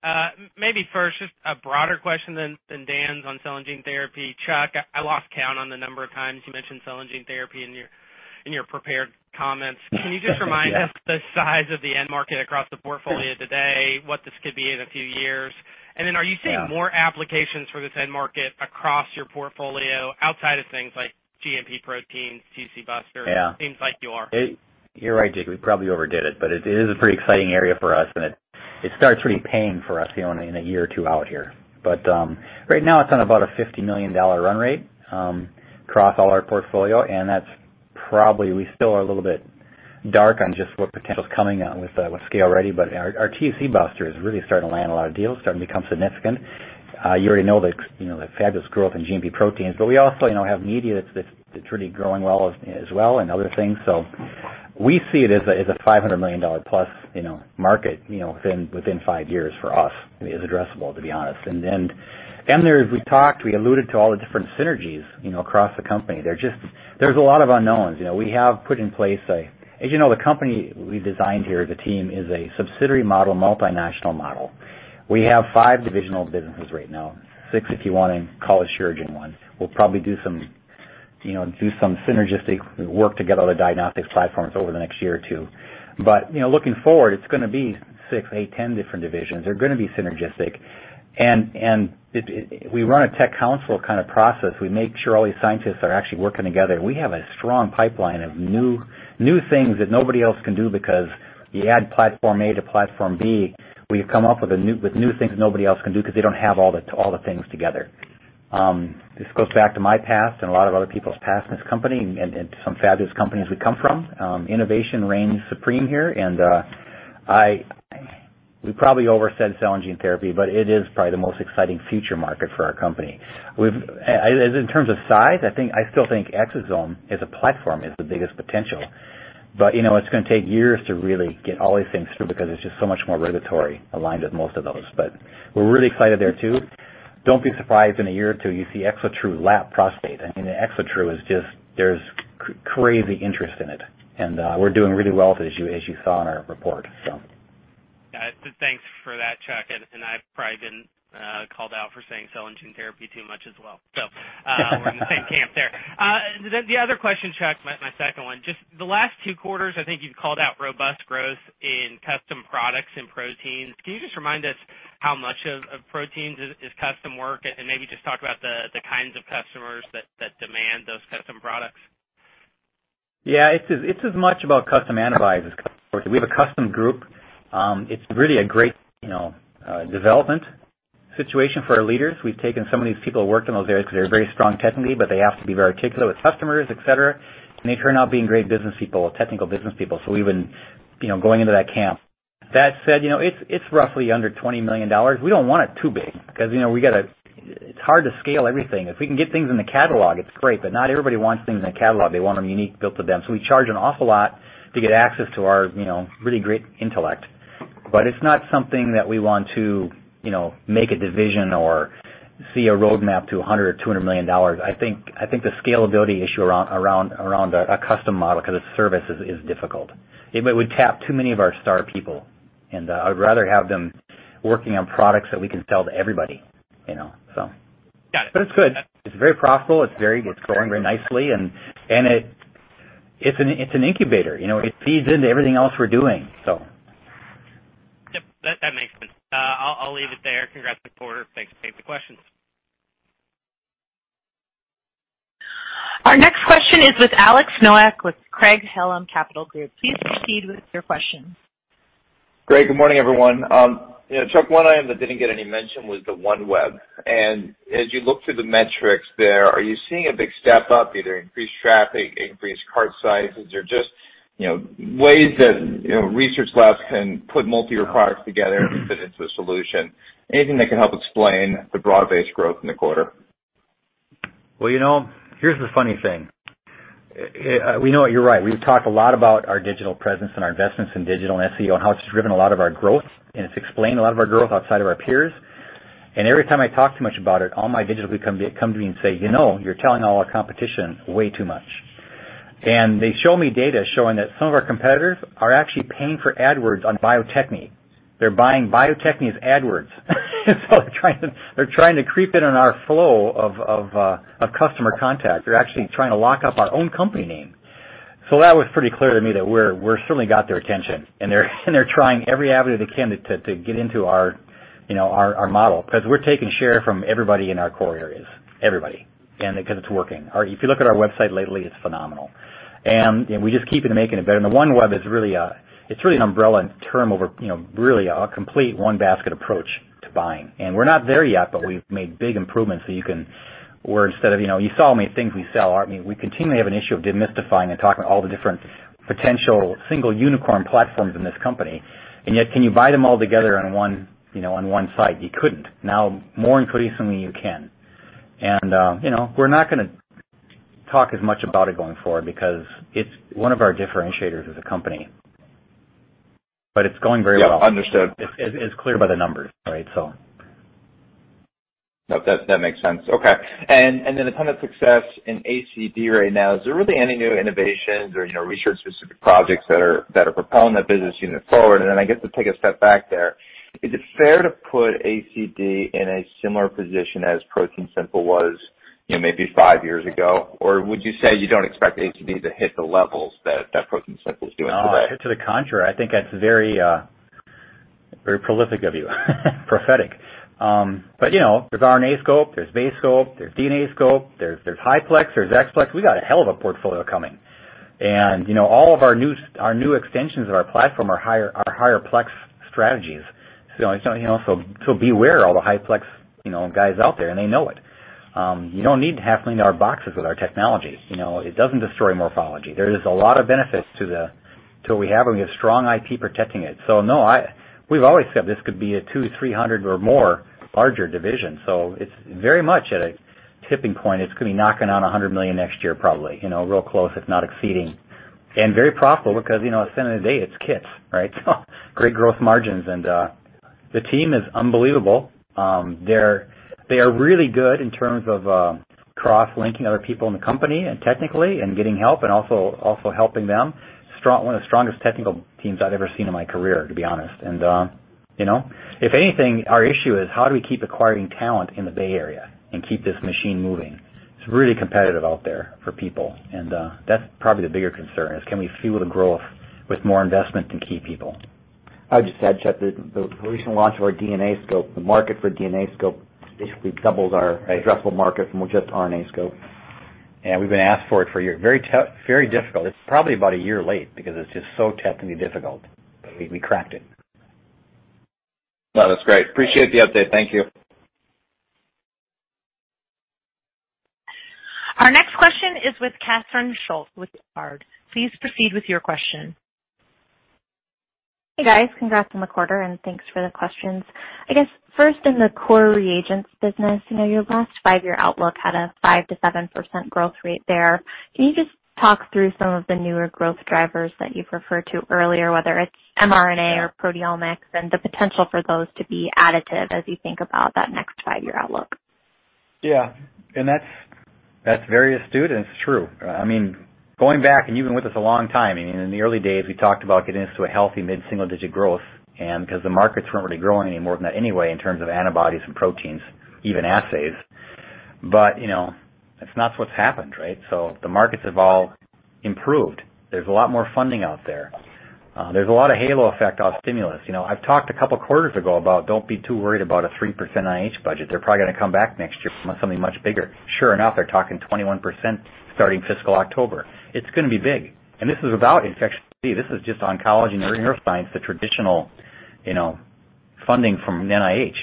Maybe first, just a broader question than Dan's on cell and gene therapy. Chuck, I lost count on the number of times you mentioned cell and gene therapy in your prepared comments. Yeah. Can you just remind us the size of the end market across the portfolio today, what this could be in a few years? Are you seeing more applications for this end market across your portfolio outside of things like GMP proteins, TcBuster? Yeah. Things like you are. You're right, Jacob, we probably overdid it, but it is a pretty exciting area for us, and it starts really paying for us in a year or two out here. Right now, it's on about a $50 million run rate across all our portfolio, and we still are a little bit dark on just what potential is coming with ScaleReady. Our TcBuster is really starting to land a lot of deals, starting to become significant. You already know the fabulous growth in GMP proteins, but we also have media that's really growing well as well and other things. We see it as a $500 million+ market within five years for us is addressable, to be honest. We alluded to all the different synergies across the company. There's a lot of unknowns. As you know, the company we designed here, the team is a subsidiary model, multinational model. We have five divisional businesses right now, six, if you want to call Asuragen one. We'll probably do some synergistic work to get all the diagnostics platforms over the next year or two. Looking forward, it's going to be six, eight, 10 different divisions. They're going to be synergistic. We run a tech council kind of process. We make sure all these scientists are actually working together. We have a strong pipeline of new things that nobody else can do because you add platform A to platform B, we come up with new things nobody else can do because they don't have all the things together. This goes back to my past and a lot of other people's past in this company and some fabulous companies we come from. Innovation reigns supreme here, and we probably over said cell and gene therapy, but it is probably the most exciting future market for our company. In terms of size, I still think exosome as a platform is the biggest potential, but it's going to take years to really get all these things through because it's just so much more regulatory aligned with most of those. But we're really excited there too. Don't be surprised if in a year or two you see ExoTRU ExoDx Prostate Test. ExoTRU, there's crazy interest in it, and we're doing really well, as you saw in our report. Got it. Thanks for that, Chuck. I've probably been called out for saying cell and gene therapy too much as well. We're in the same camp there. The other question, Chuck, my second one, just the last two quarters, I think you've called out robust growth in custom products and proteins. Can you just remind us how much of proteins is custom work and maybe just talk about the kinds of customers that demand those custom products? Yeah. It's as much about custom antibodies as custom proteins. We have a custom group. It's really a great development situation for our leaders. We've taken some of these people who worked in those areas because they're very strong technically, but they have to be very articulate with customers, et cetera, and they turn out being great business people, technical business people. We've been going into that camp. That said, it's roughly under $20 million. We don't want it too big because it's hard to scale everything. If we can get things in the catalog, it's great, but not everybody wants things in the catalog. They want them unique built to them. We charge an awful lot to get access to our really great intellect. It's not something that we want to make a division or see a roadmap to $100 million or $200 million. I think the scalability issue around a custom model, because it's service, is difficult. It would tap too many of our star people, and I'd rather have them working on products that we can sell to everybody. Got it. It's good. It's very profitable. It's growing very nicely and it's an incubator. It feeds into everything else we're doing. Yep. That makes sense. I'll leave it there. Congrats on the quarter. Thanks for taking the questions. Our next question is with Alex Nowak with Craig-Hallum Capital Group. Please proceed with your question. Great. Good morning, everyone. Chuck, one item that didn't get any mention was the OneWeb, and as you look through the metrics there, are you seeing a big step up, either increased traffic, increased cart sizes, or just ways that research labs can put multiple products together and fit into a solution? Anything that can help explain the broad-based growth in the quarter? Well, here's the funny thing. You're right. We've talked a lot about our digital presence and our investments in digital and SEO and how it's driven a lot of our growth, and it's explained a lot of our growth outside of our peers. Every time I talk too much about it, all my digital people come to me and say, "You know, you're telling all our competition way too much." They show me data showing that some of our competitors are actually paying for AdWords on Bio-Techne. They're buying Bio-Techne as AdWords. They're trying to creep in on our flow of customer contact. They're actually trying to lock up our own company name. That was pretty clear to me that we've certainly got their attention and they're trying every avenue they can to get into our model because we're taking share from everybody in our core areas, and because it's working. If you look at our website lately, it's phenomenal, and we just keep making it better. The OneWeb is really an umbrella term over really a complete one basket approach to buying. We're not there yet, but we've made big improvements, where instead of, you saw how many things we sell, aren't we? We continually have an issue of demystifying and talking about all the different potential single unicorn platforms in this company, and yet, can you buy them all together on one site? You couldn't. Now, more increasingly you can. We're not going to talk as much about it going forward because it's one of our differentiators as a company, but it's going very well. Yeah. Understood. It's clear by the numbers. No, that makes sense. Okay. A ton of success in ACD right now. Is there really any new innovations or research specific projects that are propelling that business unit forward? I guess to take a step back there, is it fair to put ACD in a similar position as ProteinSimple was maybe five years ago? Would you say you don't expect ACD to hit the levels that ProteinSimple is doing today? No, to the contrary. I think that's very prolific of you, prophetic. There's RNAscope, there's BaseScope, there's DNAscope, there's HiPlex, there's X-Plex. We got a hell of a portfolio coming, and all of our new extensions of our platform are higher plex strategies. Beware all the high plex guys out there, and they know it. You don't need to Olink our boxes with our technology. It doesn't destroy morphology. There is a lot of benefits to what we have, and we have strong IP protecting it. No, we've always said this could be a 2-300 or more larger division, so it's very much at a tipping point. It's going to be knocking on $100 million next year, probably, real close, if not exceeding. Very profitable because at the end of the day, it's kits, right? Great gross margins. The team is unbelievable. They are really good in terms of cross-linking other people in the company and technically and getting help and also helping them. One of the strongest technical teams I've ever seen in my career, to be honest. If anything, our issue is how do we keep acquiring talent in the Bay Area and keep this machine moving? It's really competitive out there for people. That's probably the bigger concern is can we fuel the growth with more investment in key people? I'll just add, Chuck, the recent launch of our DNAscope, the market for DNAscope basically doubles our addressable market from just RNAscope. We've been asked for it for a year. Very tough, very difficult. It's probably about a year late because it's just so technically difficult, but we cracked it No, that's great. Appreciate the update. Thank you. Our next question is with Catherine Schulte with Baird. Please proceed with your question. Hey, guys. Congrats on the quarter, and thanks for the questions. I guess, first in the core reagents business, your last five-year outlook had a 5%-7% growth rate there. Can you just talk through some of the newer growth drivers that you referred to earlier, whether it's mRNA or proteomics, and the potential for those to be additive as you think about that next five-year outlook? Yeah. That's very astute, and it's true. Going back, you've been with us a long time. In the early days, we talked about getting this to a healthy mid-single-digit growth, because the markets weren't really growing any more than that anyway in terms of antibodies and proteins, even assays. That's what's happened, right? The markets have all improved. There's a lot more funding out there. There's a lot of halo effect off stimulus. I've talked a couple quarters ago about don't be too worried about a 3% NIH budget. They're probably going to come back next year with something much bigger. Sure enough, they're talking 21% starting fiscal October. It's going to be big. This is without infection. This is just oncology and neuroscience, the traditional funding from NIH.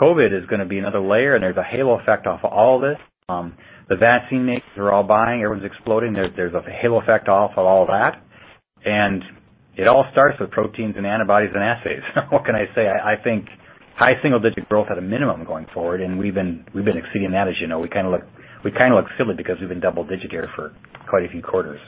COVID is going to be another layer. There's a halo effect off of all this. The vaccine makers are all buying. Everyone's exploding. There's a halo effect off of all that. It all starts with proteins and antibodies and assays. What can I say? I think high single-digit growth at a minimum going forward. We've been exceeding that, you know. We look silly because we've been double-digit here for quite a few quarters.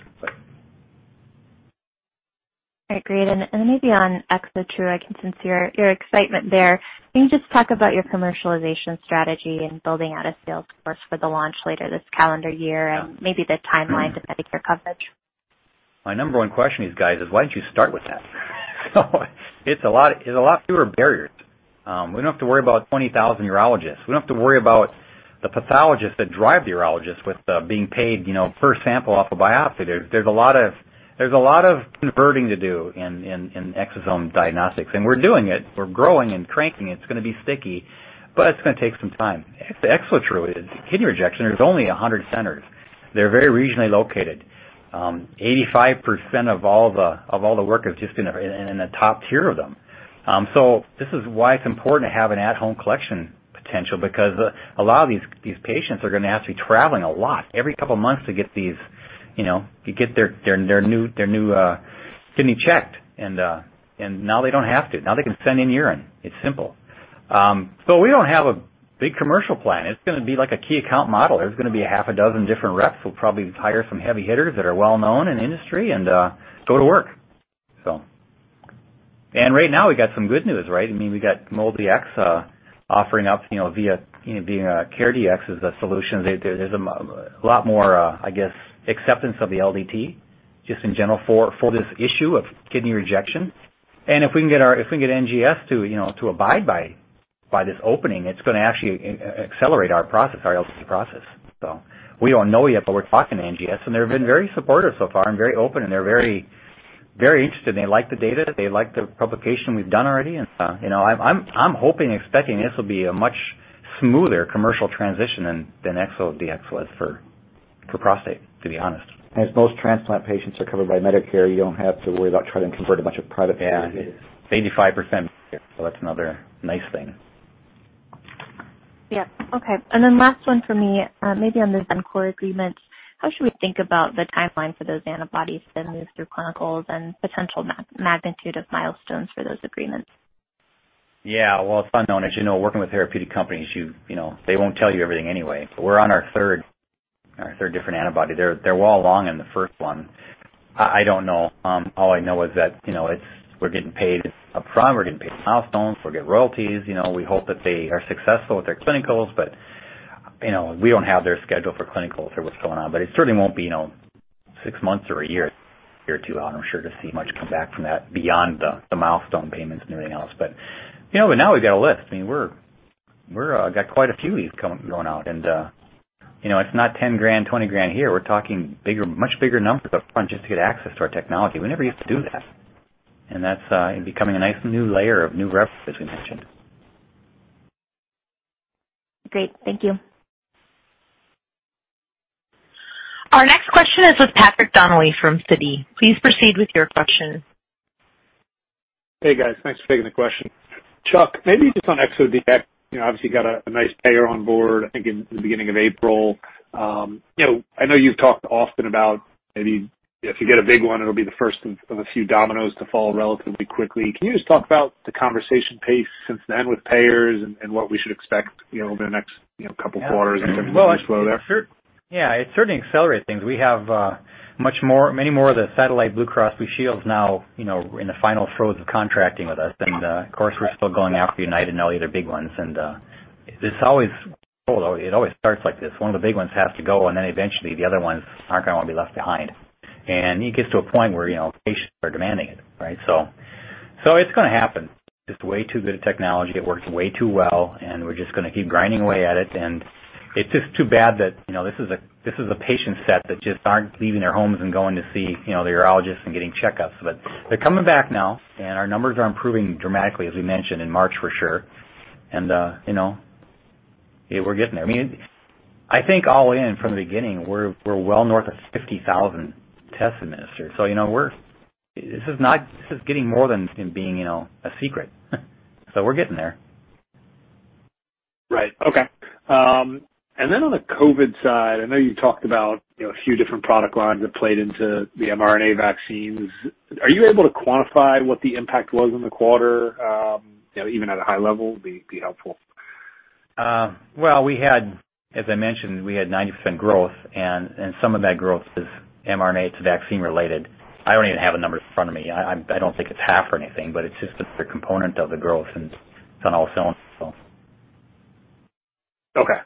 All right, great. Maybe on ExoTRU, I can sense your excitement there. Can you just talk about your commercialization strategy and building out a sales force for the launch later this calendar year and maybe the timeline to Medicare coverage? My number one question is, guys, is why don't you start with that? It's a lot fewer barriers. We don't have to worry about 20,000 urologists. We don't have to worry about the pathologists that drive the urologists with being paid per sample off a biopsy. There's a lot of converting to do in Exosome Diagnostics, we're doing it. We're growing and cranking. It's going to be sticky, it's going to take some time. ExoTRU, kidney rejection, there's only 100 centers. They're very regionally located. 85% of all the work is just in the top tier of them. This is why it's important to have an at-home collection potential, because a lot of these patients are going to have to be traveling a lot every couple of months to get their new kidney checked, now they don't have to. Now they can send in urine. It's simple. We don't have a big commercial plan. It's going to be like a key account model. There's going to be a half a dozen different reps. We'll probably hire some heavy hitters that are well-known in the industry and go to work. Right now, we got some good news, right? We got MolDX offering up via being CareDx as a solution. There's a lot more, I guess, acceptance of the LDT, just in general, for this issue of kidney rejection. If we can get NGS to abide by this opening, it's going to actually accelerate our process, our LDT process. We don't know yet, but we're talking to NGS, and they've been very supportive so far and very open, and they're very interested, and they like the data. They like the publication we've done already. I'm hoping, expecting this will be a much smoother commercial transition than ExoTRU was for prostate, to be honest. If most transplant patients are covered by Medicare, you don't have to worry about trying to convert a bunch of private payers. Yeah. 85% Medicare, that's another nice thing. Yeah. Okay. Last one for me, maybe on the Xencor agreements. How should we think about the timeline for those antibodies that move through clinicals and potential magnitude of milestones for those agreements? Yeah. Well, it's unknown. As you know, working with therapeutic companies, they won't tell you everything anyway. We're on our third different antibody. They were all along in the first one. I don't know. All I know is that we're getting paid up front, we're getting paid milestones, we'll get royalties. We hope that they are successful with their clinicals, but we don't have their schedule for clinicals or what's going on. It certainly won't be six months or one year here too long, I'm sure, to see much come back from that beyond the milestone payments and everything else. Now we've got a list. We've got quite a few of these going out, and it's not $10,000, $20,000 here. We're talking much bigger numbers up front just to get access to our technology. We never used to do that. That's becoming a nice new layer of new reps, as we mentioned. Great. Thank you. Our next question is with Patrick Donnelly from Citi. Please proceed with your question. Hey, guys. Thanks for taking the question. Chuck, maybe just on ExoDx. Obviously, you got a nice payer on board, I think in the beginning of April. I know you've talked often about maybe if you get a big one, it will be the first of a few dominoes to fall relatively quickly. Can you just talk about the conversation pace since then with payers and what we should expect over the next couple quarters in terms of slow there? Yeah, it certainly accelerated things. We have many more of the satellite Blue Cross Blue Shield now in the final throes of contracting with us. Of course, we're still going after United and all the other big ones. It always starts like this. One of the big ones has to go, and then eventually the other ones aren't going to want to be left behind. It gets to a point where patients are demanding it, right? It's going to happen. Just way too good a technology. It works way too well, and we're just going to keep grinding away at it. It's just too bad that this is a patient set that just aren't leaving their homes and going to see the urologist and getting checkups. They're coming back now, and our numbers are improving dramatically, as we mentioned in March, for sure. Yeah, we're getting there. I think all in from the beginning, we're well north of 50,000 tests administered. This is getting more than being a secret. We're getting there. Right. Okay. On the COVID side, I know you talked about a few different product lines that played into the mRNA vaccines. Are you able to quantify what the impact was in the quarter, even at a high level would be helpful. Well, as I mentioned, we had 90% growth. Some of that growth is mRNA, it's vaccine related. I don't even have a number in front of me. I don't think it's half or anything. It's just a component of the growth. It's on all cylinders. Okay.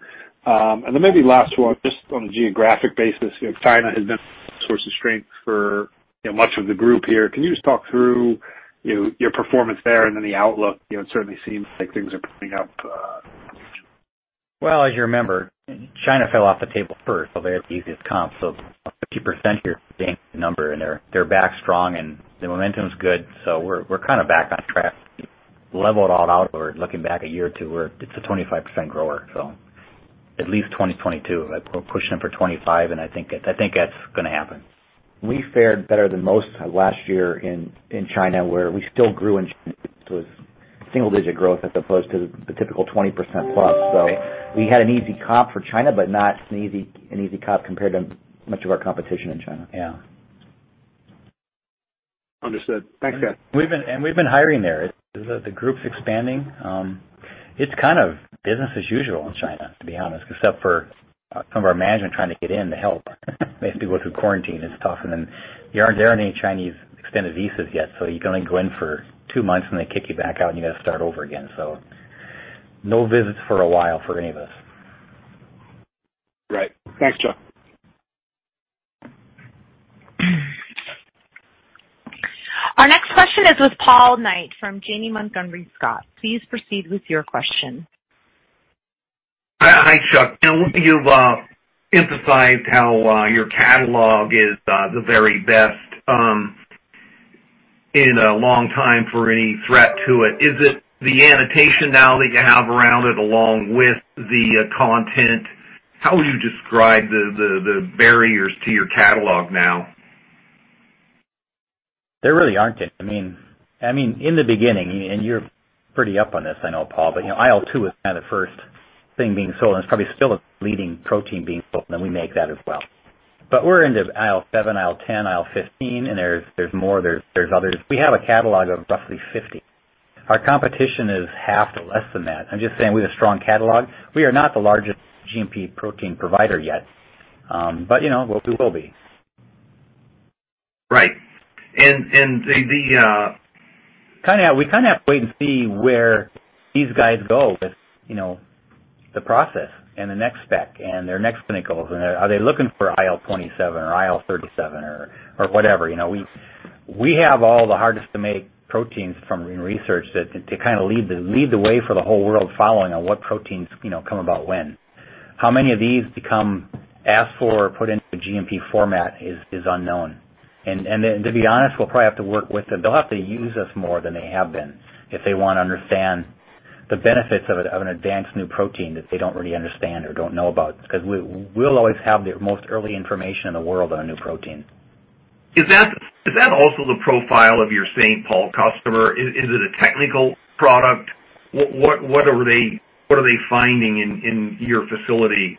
Maybe last one, just on the geographic basis, China has been a source of strength for much of the group here. Can you just talk through your performance there and then the outlook? It certainly seems like things are picking up. Well, as you remember, China fell off the table first, so they have the easiest comp. 50% here, the number and they're back strong and the momentum's good. We're back on track. Leveled it all out, we're looking back a year or two, where it's a 25% grower, so at least 2022. We're pushing for 2025, and I think that's going to happen. We fared better than most last year in China, where we still grew in China. It was single digit growth as opposed to the typical 20%+. We had an easy comp for China, but not an easy comp compared to much of our competition in China. Yeah. Understood. Thanks, guys. We've been hiring there. The group's expanding. It's business as usual in China, to be honest, except for some of our management trying to get in to help. They have to go through quarantine, it's tough. There aren't any Chinese extended visas yet, so you can only go in for two months, and they kick you back out, and you've got to start over again. No visits for a while for any of us. Right. Thanks, Chuck. Our next question is with Paul Knight from Janney Montgomery Scott. Please proceed with your question. Hi, Chuck. You've emphasized how your catalog is the very best in a long time for any threat to it. Is it the annotation now that you have around it, along with the content? How would you describe the barriers to your catalog now? There really aren't any. In the beginning, and you're pretty up on this, I know, Paul, but IL-2 was the first thing being sold, and it's probably still a leading protein being sold, and we make that as well. We're into IL-7, IL-10, IL-15, and there's more, there's others. We have a catalog of roughly 50. Our competition is half to less than that. I'm just saying we have a strong catalog. We are not the largest GMP protein provider yet. We will be. Right. We have to wait and see where these guys go with the process and the next spec and their next clinicals, and are they looking for IL-27 or IL-37 or whatever. We have all the hardest to make proteins from research that lead the way for the whole world following on what proteins come about when. How many of these become asked for or put into GMP format is unknown. To be honest, we'll probably have to work with them. They'll have to use us more than they have been if they want to understand the benefits of an advanced new protein that they don't really understand or don't know about, because we'll always have the most early information in the world on a new protein. Is that also the profile of your Saint Paul customer? Is it a technical product? What are they finding in your facility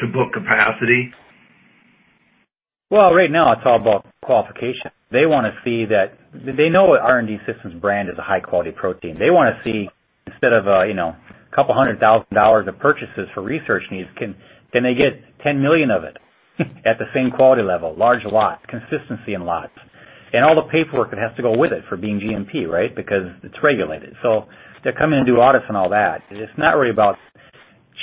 to book capacity? Right now, it's all about qualification. They know an R&D Systems brand is a high-quality protein. They want to see, instead of a couple hundred thousand dollars of purchases for research needs, can they get $10 million of it at the same quality level, large lots, consistency in lots, and all the paperwork that has to go with it for being GMP, because it's regulated. They're coming to do audits and all that. It's not really about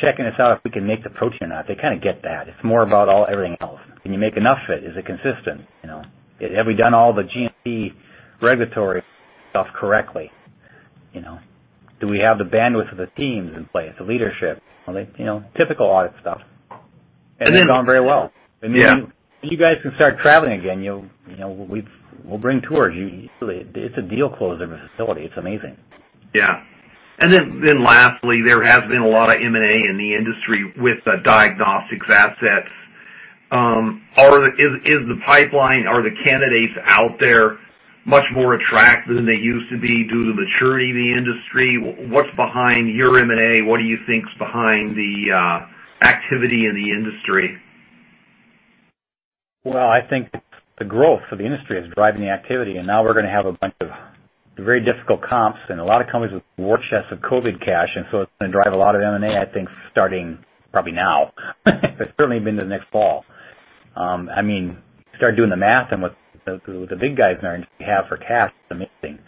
checking us out if we can make the protein or not. They get that. It's more about everything else. Can you make enough of it? Is it consistent? Have we done all the GMP regulatory stuff correctly? Do we have the bandwidth of the teams in place, the leadership, typical audit stuff. It's gone very well. Yeah. When you guys can start traveling again, we'll bring tours. It's a deal closing the facility. It's amazing. Yeah. Lastly, there has been a lot of M&A in the industry with the diagnostics assets. Is the pipeline, are the candidates out there much more attractive than they used to be due to maturity of the industry? What's behind your M&A? What do you think's behind the activity in the industry? Well, I think the growth of the industry is driving the activity, and now we're going to have a bunch of very difficult comps and a lot of companies with war chests of COVID cash, and so it's going to drive a lot of M&A, I think, starting probably now, but certainly into the next fall. Start doing the math on what the big guys in our industry have for cash, it's amazing.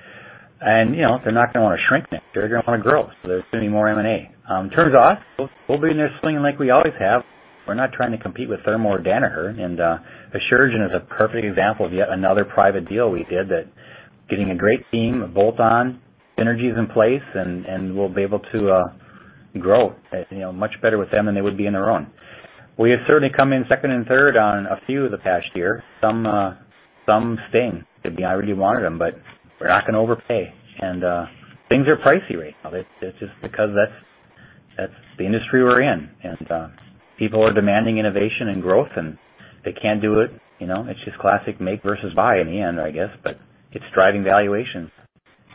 They're not going to want to shrink next year. They're going to want to grow. There's going to be more M&A. In terms of us, we'll be in there swinging like we always have. We're not trying to compete with Thermo or Danaher. Asuragen is a perfect example of yet another private deal we did that getting a great team, a bolt-on, synergies in place, and we'll be able to grow much better with them than they would be on their own. We have certainly come in second and third on a few the past year. Some sting, because I really wanted them. We're not going to overpay. Things are pricey right now. It's just because that's the industry we're in. People are demanding innovation and growth, and they can't do it. It's just classic make versus buy in the end, I guess. It's driving valuations.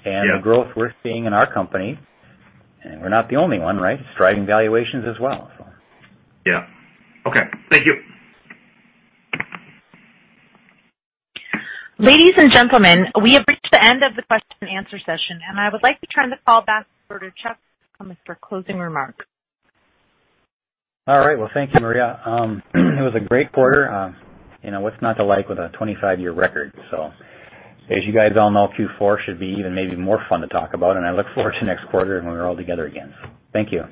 Yeah. The growth we're seeing in our company, and we're not the only one, it's driving valuations as well. Yeah. Okay. Thank you. Ladies and gentlemen, we have reached the end of the question-and-answer session, and I would like to turn the call back over to Chuck Kummeth for closing remarks. All right. Well, thank you, Maria. It was a great quarter. What's not to like with a 25-year record? As you guys all know, Q4 should be even maybe more fun to talk about, and I look forward to next quarter when we're all together again. Thank you.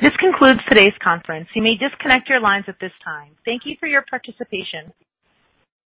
This concludes today's conference. You may disconnect your lines at this time. Thank you for your participation.